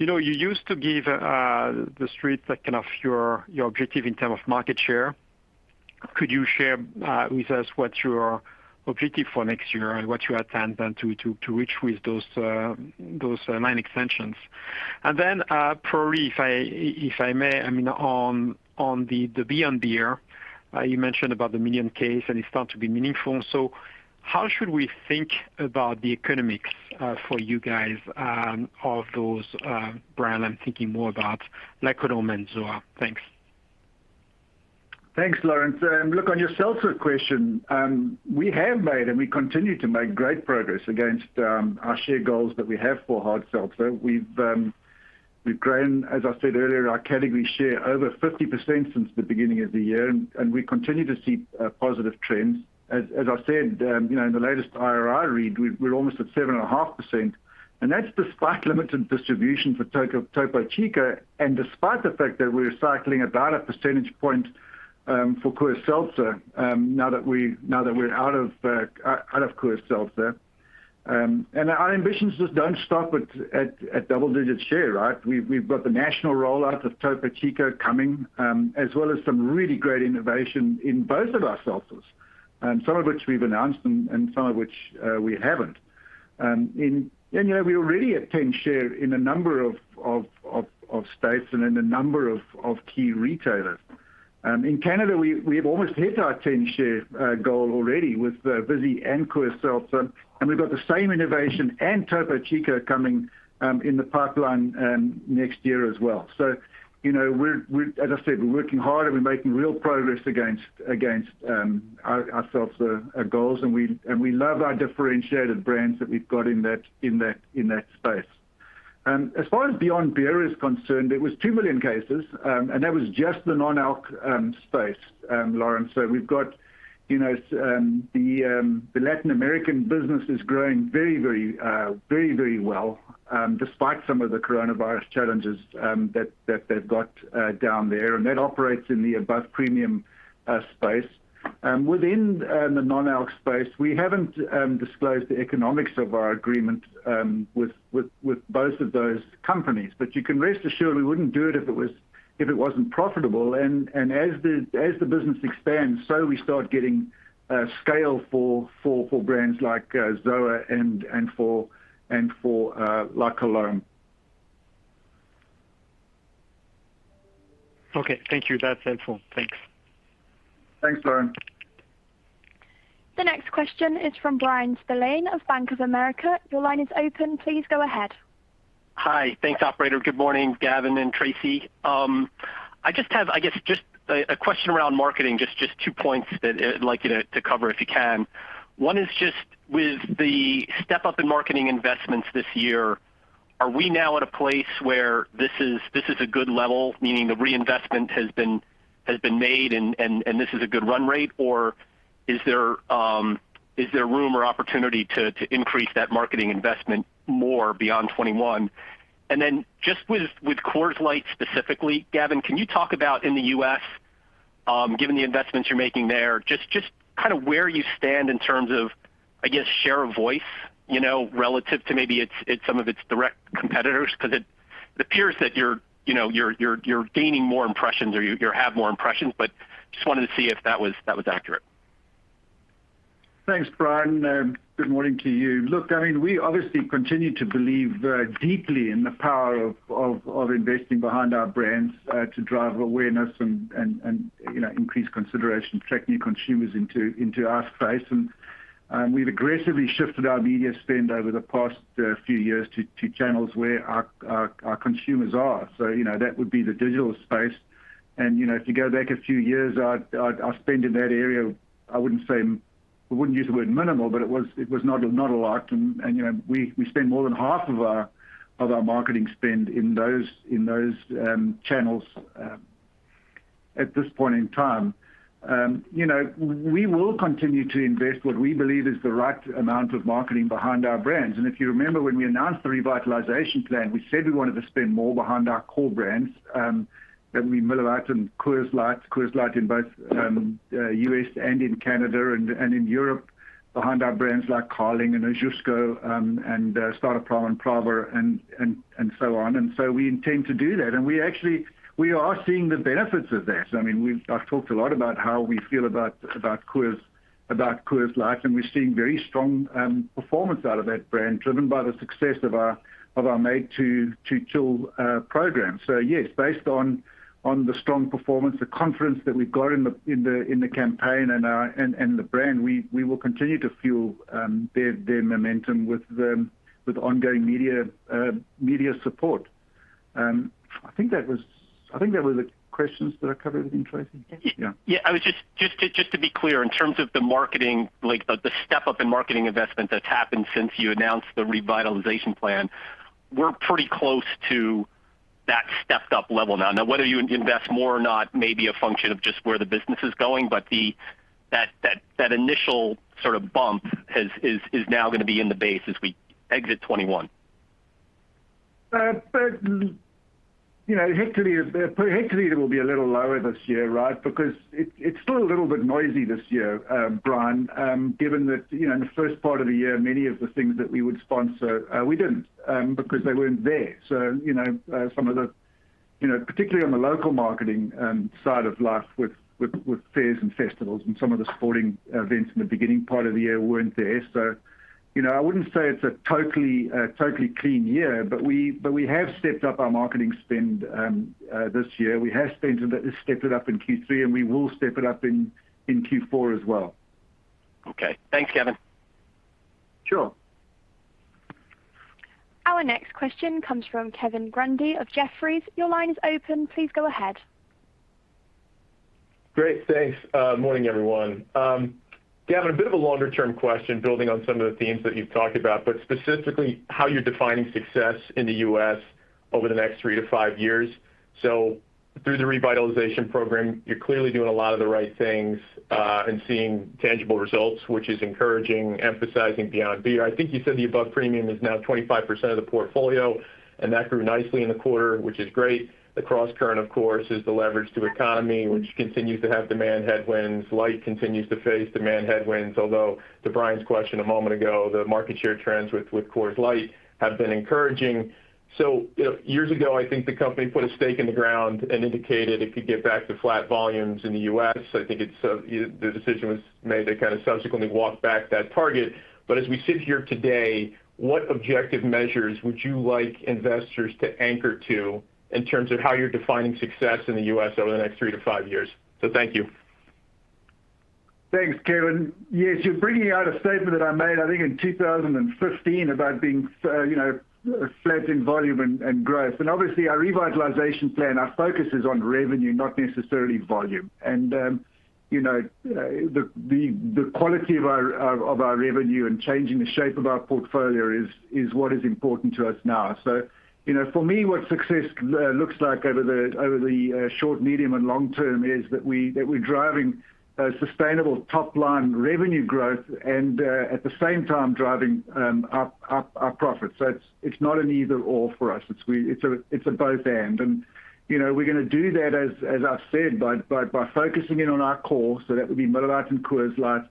know, you used to give the Street like, kind of your objective in terms of market share. Could you share with us what your objective for next year and what you intend then to reach with those line extensions? Then, probably if I may, I mean, on the Beyond Beer, you mentioned about the 1 million cases and it's starting to be meaningful. How should we think about the economics for you guys of those brands? I'm thinking more about La Colombe or ZOA. Thanks. Thanks, Laurent. Look, on your seltzer question, we have made and we continue to make great progress against our share goals that we have for hard seltzer. We've grown, as I said earlier, our category share over 50% since the beginning of the year, and we continue to see positive trends. As I said, you know, in the latest IRI read, we're almost at 7.5%, and that's despite limited distribution for Topo Chico and despite the fact that we're recycling about a percentage point for Quirk now that we're out of Quirk. Our ambitions just don't stop at double-digit share, right? We've got the national rollout of Topo Chico coming, as well as some really great innovation in both of our seltzers, some of which we've announced and some of which we haven't. You know, we're already at 10% share in a number of states and in a number of key retailers. In Canada, we've almost hit our 10% share goal already with Vizzy and Coors Seltzer, and we've got the same innovation and Topo Chico coming in the pipeline next year as well. You know, as I said, we're working hard and we're making real progress against our seltzer goals, and we love our differentiated brands that we've got in that space. As far as Beyond Beer is concerned, it was 2 million cases, and that was just the non-alc space, Laurent. We've got, you know, the Latin American business is growing very well, despite some of the coronavirus challenges that they've got down there, and that operates in the above-premium space. Within the non-alc space, we haven't disclosed the economics of our agreement with both of those companies. But you can rest assured we wouldn't do it if it wasn't profitable. As the business expands, so we start getting scale for brands like ZOA and for La Colombe alone. Okay. Thank you. That's helpful. Thanks. Thanks, Laurent. The next question is from Bryan Spillane of Bank of America. Your line is open. Please go ahead. Hi. Thanks, operator. Good morning, Gavin and Tracey. I just have, I guess, just a question around marketing, just two points that I'd like you to cover if you can. One is just with the step-up in marketing investments this year, are we now at a place where this is a good level, meaning the reinvestment has been made and this is a good run rate? Or is there room or opportunity to increase that marketing investment more beyond 2021? Then just with Coors Light specifically, Gavin, can you talk about in the U.S., given the investments you're making there, just kind of where you stand in terms of, I guess, share of voice, you know, relative to maybe its some of its direct competitors? 'Cause it appears that you're, you know, gaining more impressions or you have more impressions, but just wanted to see if that was accurate. Thanks, Bryan. Good morning to you. Look, I mean, we obviously continue to believe deeply in the power of investing behind our brands to drive awareness and you know, increase consideration, attract new consumers into our space. We've aggressively shifted our media spend over the past few years to channels where our consumers are. You know, that would be the digital space. You know, if you go back a few years, our spend in that area, I wouldn't use the word minimal, but it was not a lot. You know, we spend more than half of our marketing spend in those channels. At this point in time, you know, we will continue to invest what we believe is the right amount of marketing behind our brands. If you remember when we announced the revitalization plan, we said we wanted to spend more behind our core brands, that would be Miller Lite and Coors Light in both U.S. and in Canada and in Europe, behind our brands like Carling and Ožujsko and Staropramen, Pravha and so on. We intend to do that. We actually are seeing the benefits of that. I mean, I've talked a lot about how we feel about Coors, about Coors Light, and we're seeing very strong performance out of that brand, driven by the success of our Made to Chill program. Yes, based on the strong performance, the confidence that we've got in the campaign and our and the brand, we will continue to fuel their momentum with ongoing media support. I think that were the questions. Did I cover everything, Tracey? Yes. Yeah. Yeah, I was just to be clear, in terms of the marketing, like the step-up in marketing investment that's happened since you announced the revitalization plan, we're pretty close to that stepped up level now. Now whether you invest more or not may be a function of just where the business is going, but that initial sort of bump is now gonna be in the base as we exit 2021. You know, it will be a little lower this year, right? It's still a little bit noisy this year, Brian, given that, you know, in the first part of the year, many of the things that we would sponsor, we didn't, because they weren't there. You know, some of the, you know, particularly on the local marketing side of life with fairs and festivals and some of the sporting events in the beginning part of the year weren't there. You know, I wouldn't say it's a totally clean year, but we have stepped up our marketing spend this year. We have stepped it up in Q3, and we will step it up in Q4 as well. Okay. Thanks, Gavin. Sure. Our next question comes from Kevin Grundy of Jefferies. Your line is open. Please go ahead. Great. Thanks. Morning, everyone. Gavin, a bit of a longer-term question building on some of the themes that you've talked about, but specifically how you're defining success in the U.S. over the next 3-5 years. Through the revitalization program, you're clearly doing a lot of the right things, and seeing tangible results, which is encouraging, emphasizing Beyond Beer. I think you said the above-premium is now 25% of the portfolio, and that grew nicely in the quarter, which is great. The cross-current, of course, is the leverage to economy, which continues to have demand headwinds. Light continues to face demand headwinds, although to Brian's question a moment ago, the market share trends with Coors Light have been encouraging. Years ago, I think the company put a stake in the ground and indicated it could get back to flat volumes in the U.S. I think it's, the decision was made to kinda subsequently walk back that target. As we sit here today, what objective measures would you like investors to anchor to in terms of how you're defining success in the U.S. over the next 3-5 years? Thank you. Thanks, Kevin. Yes, you're bringing out a statement that I made, I think in 2015, about being so, you know, flat in volume and growth. Obviously, our revitalization plan, our focus is on revenue, not necessarily volume. You know, the quality of our revenue and changing the shape of our portfolio is what is important to us now. You know, for me, what success looks like over the short, medium, and long term is that we're driving a sustainable top-line revenue growth and at the same time driving up our profits. It's not an either/or for us. It's a both/and. You know, we're gonna do that, as I've said, by focusing in on our core. That would be Miller Lite and Coors Light.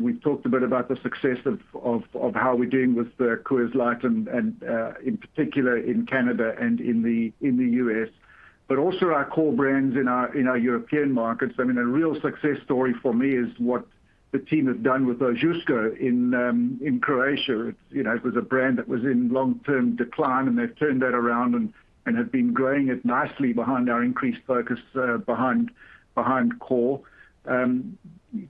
We talked a bit about the success of how we're doing with the Coors Light and in particular in Canada and in the US, but also our core brands in our European markets. I mean, a real success story for me is what the team has done with Ožujsko in Croatia. You know, it was a brand that was in long-term decline, and they've turned that around and have been growing it nicely behind our increased focus behind core.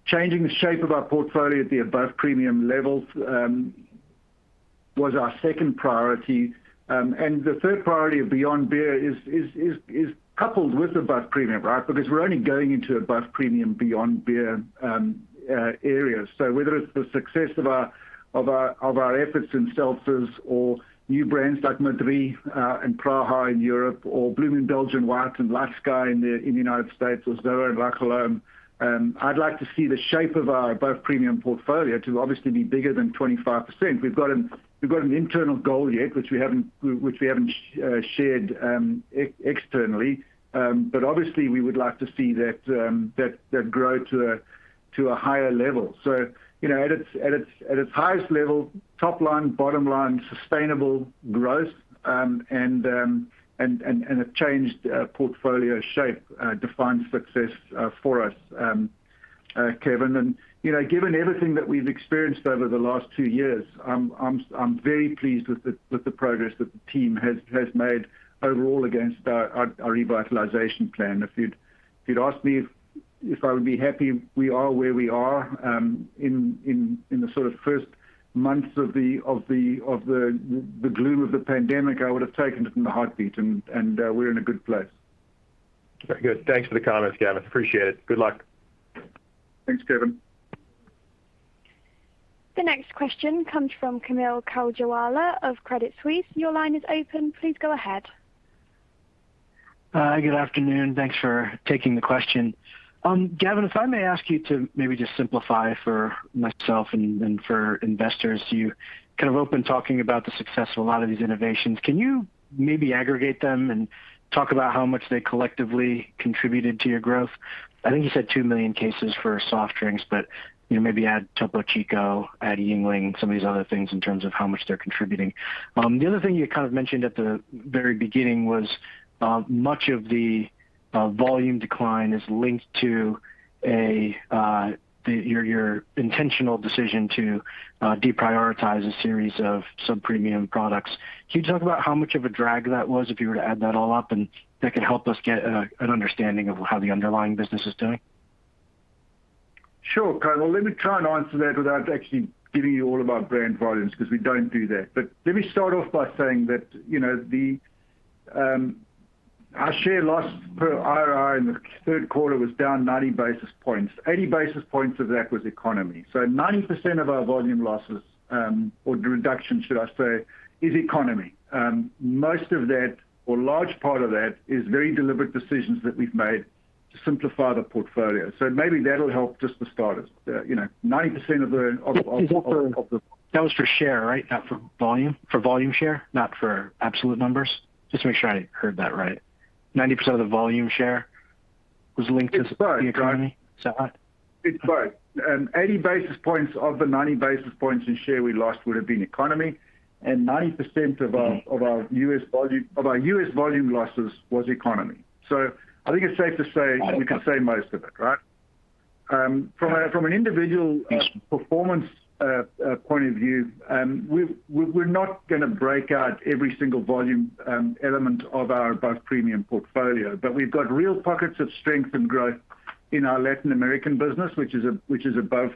Changing the shape of our portfolio at the Above Premium levels was our second priority. The third priority of Beyond Beer is coupled with Above Premium, right? Because we're only going into Above Premium Beyond Beer areas. Whether it's the success of our efforts in seltzers or new brands like Madrí and Pravha in Europe or Blue Moon Belgian White and LightSky in the United States or ZOA and La Colombe, I'd like to see the shape of our above-premium portfolio to obviously be bigger than 25%. We've got an internal goal yet, which we haven't shared externally, but obviously, we would like to see that grow to a higher level. You know, at its highest level, top line, bottom line, sustainable growth and a changed portfolio shape defines success for us, Kevin. You know, given everything that we've experienced over the last two years, I'm very pleased with the progress that the team has made overall against our revitalization plan. If you'd asked me if I would be happy we are where we are, in the sort of first months of the gloom of the pandemic, I would have taken it in a heartbeat, and we're in a good place. Very good. Thanks for the comments, Gavin. Appreciate it. Good luck. Thanks, Kevin. The next question comes from Kaumil Gajrawala of Credit Suisse. Your line is open. Please go ahead. Good afternoon. Thanks for taking the question. Gavin, if I may ask you to maybe just simplify for myself and for investors. You kind of opened talking about the success of a lot of these innovations. Can you maybe aggregate them and talk about how much they collectively contributed to your growth? I think you said 2 million cases for soft drinks, but, you know, maybe add Topo Chico, add Yuengling, some of these other things in terms of how much they're contributing. The other thing you kind of mentioned at the very beginning was much of the volume decline is linked to your intentional decision to deprioritize a series of sub-premium products. Can you talk about how much of a drag that was, if you were to add that all up and that could help us get an understanding of how the underlying business is doing? Sure, Kaumil. Let me try and answer that without actually giving you all of our brand volumes, 'cause we don't do that. Let me start off by saying that, you know, our share loss per IRI in the Q3 was down 90 basis points. 80 basis points of that was economy. 90% of our volume losses or reduction, should I say, is economy. Most of that, or large part of that, is very deliberate decisions that we've made to simplify the portfolio. Maybe that'll help just to start us. You know, 90% of the That was for share, right? Not for volume? For volume share, not for absolute numbers? Just to make sure I heard that right. 90% of the volume share was linked to the economy? It's both. Is that right? It's both. 80 basis points of the 90 basis points in share we lost would have been economy, and 90% of our- Okay. Of our U.S. volume losses was economy. I think it's safe to say. Okay. You can say most of it, right? From an individual- Yes From performance point of view, we're not gonna break out every single volume element of our above-premium portfolio, but we've got real pockets of strength and growth in our Latin American business, which is above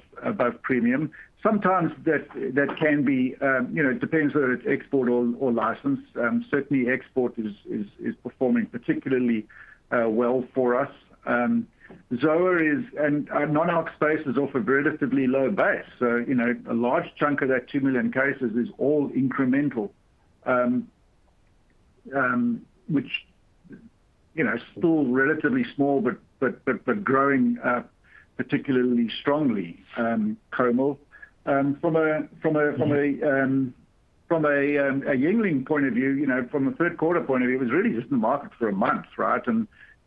premium. Sometimes that can be, you know, it depends whether it's export or license. Certainly export is performing particularly well for us. ZOA is and our non-alc space is off a relatively low base. You know, a large chunk of that 2 million cases is all incremental, which, you know, still relatively small but growing particularly strongly, Kaumil. From a Yuengling point of view, you know, from a Q3 point of view, it was really just in the market for a month, right?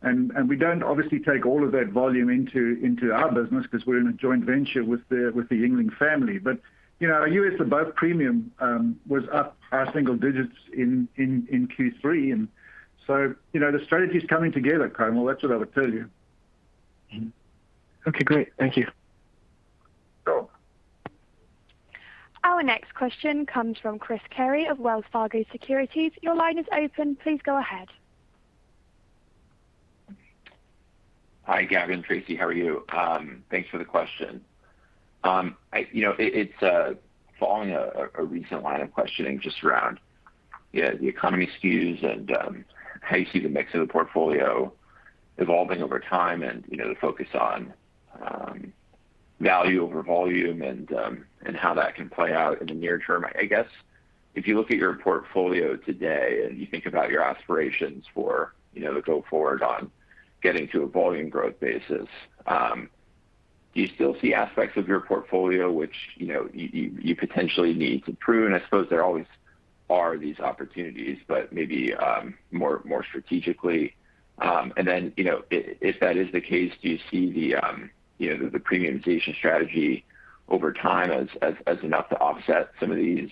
We don't obviously take all of that volume into our business 'cause we're in a joint venture with the Yuengling family. But, you know, our U.S. above premium was up in single digits in Q3. You know, the strategy's coming together, Kaumil. That's what I would tell you. Mm-hmm. Okay, great. Thank you. Sure. Our next question comes from Chris Carey of Wells Fargo Securities. Your line is open. Please go ahead. Hi, Gavin, Tracey. How are you? Thanks for the question. You know, it's following a recent line of questioning just around the economy SKUs and how you see the mix of the portfolio evolving over time and, you know, the focus on value over volume and how that can play out in the near term. I guess if you look at your portfolio today and you think about your aspirations for, you know, the go forward on getting to a volume growth basis, do you still see aspects of your portfolio which, you know, you potentially need to prune? I suppose there always are these opportunities, but maybe more strategically. If that is the case, do you see the premiumization strategy over time as enough to offset some of these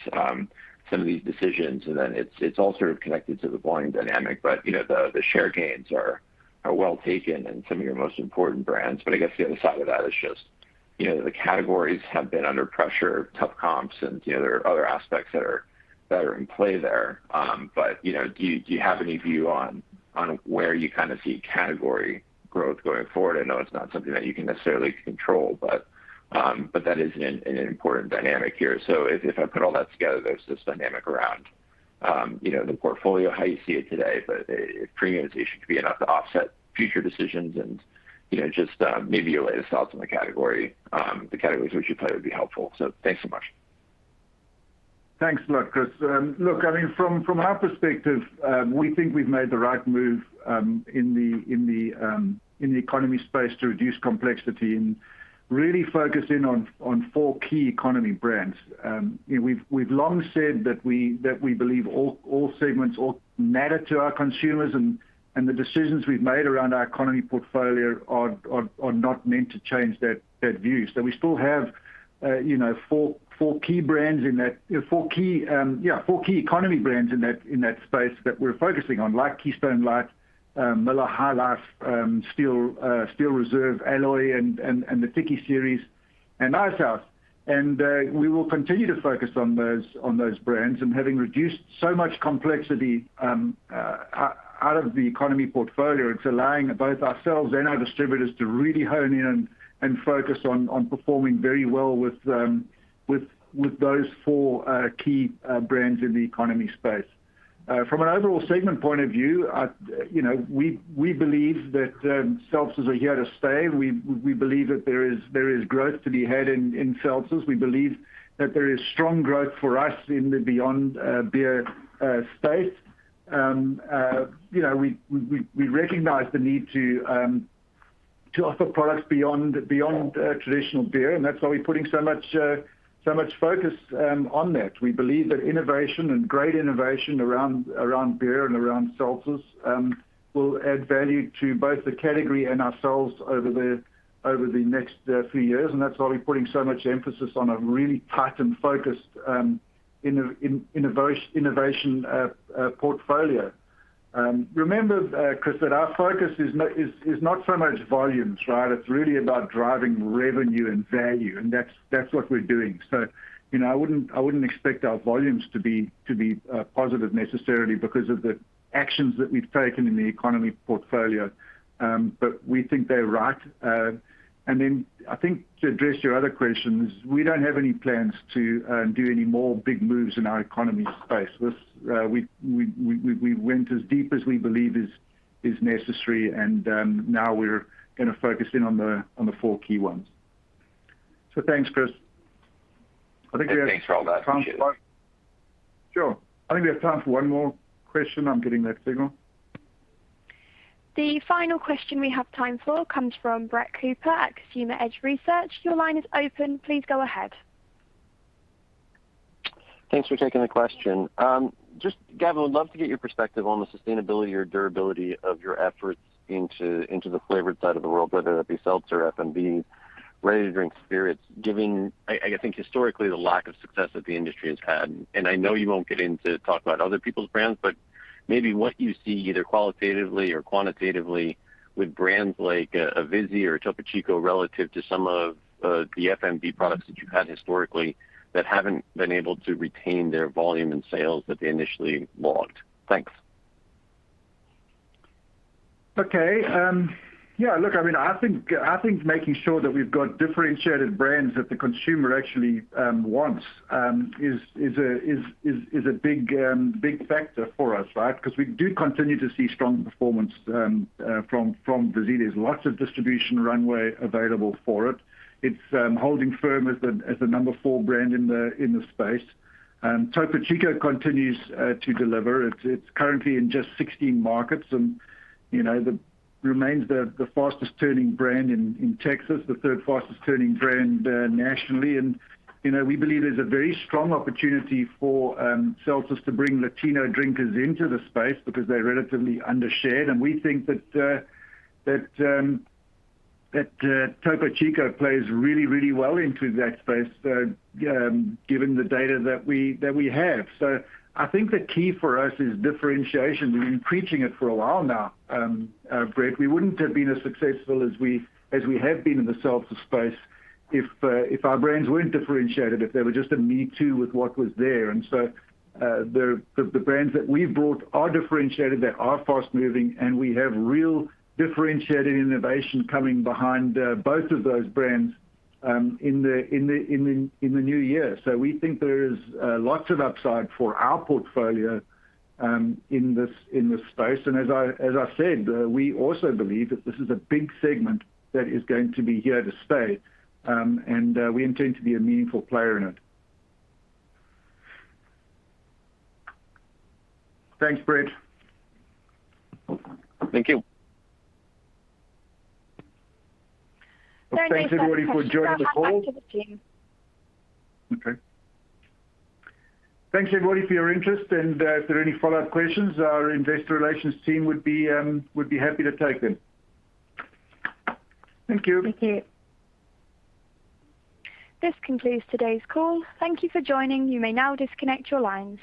decisions? It's all sort of connected to the volume dynamic, but you know, the share gains are well taken in some of your most important brands. I guess the other side of that is just you know, the categories have been under pressure, tough comps, and you know, there are other aspects that are in play there. You know, do you have any view on where you kinda see category growth going forward? I know it's not something that you can necessarily control, but that is an important dynamic here. If I put all that together, there's this dynamic around, you know, the portfolio, how you see it today, but if premiumization could be enough to offset future decisions and, you know, just, maybe your latest thoughts on the category, the categories which you play would be helpful. Thanks so much. Thanks a lot, Chris. Look, I mean, from our perspective, we think we've made the right move in the economy space to reduce complexity and really focus in on four key economy brands. You know, we've long said that we believe all segments matter to our consumers, and the decisions we've made around our economy portfolio are not meant to change that view. We still have, you know, four key economy brands in that space that we're focusing on, like Keystone Light, Miller High Life, Steel Reserve Alloy, and the Tiki series, and Icehouse. We will continue to focus on those brands. Having reduced so much complexity out of the economy portfolio, it's allowing both ourselves and our distributors to really hone in and focus on performing very well with those four key brands in the economy space. From an overall segment point of view, you know, we believe that seltzers are here to stay. We believe that there is growth to be had in seltzers. We believe that there is strong growth for us in the beyond beer space. You know, we recognize the need to offer products beyond traditional beer, and that's why we're putting so much focus on that. We believe that innovation and great innovation around beer and around seltzers will add value to both the category and ourselves over the next few years, and that's why we're putting so much emphasis on a really tight and focused innovation portfolio. Remember, Chris, that our focus is not so much volumes, right? It's really about driving revenue and value, and that's what we're doing. You know, I wouldn't expect our volumes to be positive necessarily because of the actions that we've taken in the economy portfolio. We think they're right. I think to address your other questions, we don't have any plans to do any more big moves in our economy space. We went as deep as we believe is necessary, and now we're gonna focus in on the four key ones. Thanks, Chris. I think we have. Thanks for all that. Appreciate it. Sure. I think we have time for one more question. I'm getting that signal. The final question we have time for comes from Brett Cooper at Consumer Edge Research. Your line is open. Please go ahead. Thanks for taking the question. Just, Gavin, would love to get your perspective on the sustainability or durability of your efforts into the flavored side of the world, whether that be seltzer, FMB, ready-to-drink spirits, given, I think, historically the lack of success that the industry has had. I know you won't get into talk about other people's brands, but maybe what you see either qualitatively or quantitatively with brands like Vizzy or Topo Chico relative to some of the FMB products that you've had historically that haven't been able to retain their volume and sales that they initially logged. Thanks. Okay. I mean, I think making sure that we've got differentiated brands that the consumer actually wants is a big factor for us, right? 'Cause we do continue to see strong performance from Vizzy. There's lots of distribution runway available for it. It's holding firm as the number 4 brand in the space. Topo Chico continues to deliver. It's currently in just 16 markets and, you know, remains the fastest turning brand in Texas, the third fastest turning brand nationally. You know, we believe there's a very strong opportunity for seltzers to bring Latino drinkers into the space because they're relatively under-shared. We think that Topo Chico plays really, really well into that space, given the data that we have. I think the key for us is differentiation. We've been preaching it for a while now, Brett. We wouldn't have been as successful as we have been in the seltzer space if our brands weren't differentiated, if they were just a me too with what was there. The brands that we've brought are differentiated, they are fast-moving, and we have real differentiated innovation coming behind both of those brands, in the new year. We think there is lots of upside for our portfolio, in this space. As I said, we also believe that this is a big segment that is going to be here to stay, and we intend to be a meaningful player in it. Thanks, Brett. Thank you. Thanks, everybody, for joining the call. Thanks. That's all the time we have for today. Okay. Thanks everybody for your interest, and if there are any follow-up questions, our investor relations team would be happy to take them. Thank you. Thank you. This concludes today's call. Thank you for joining. You may now disconnect your lines.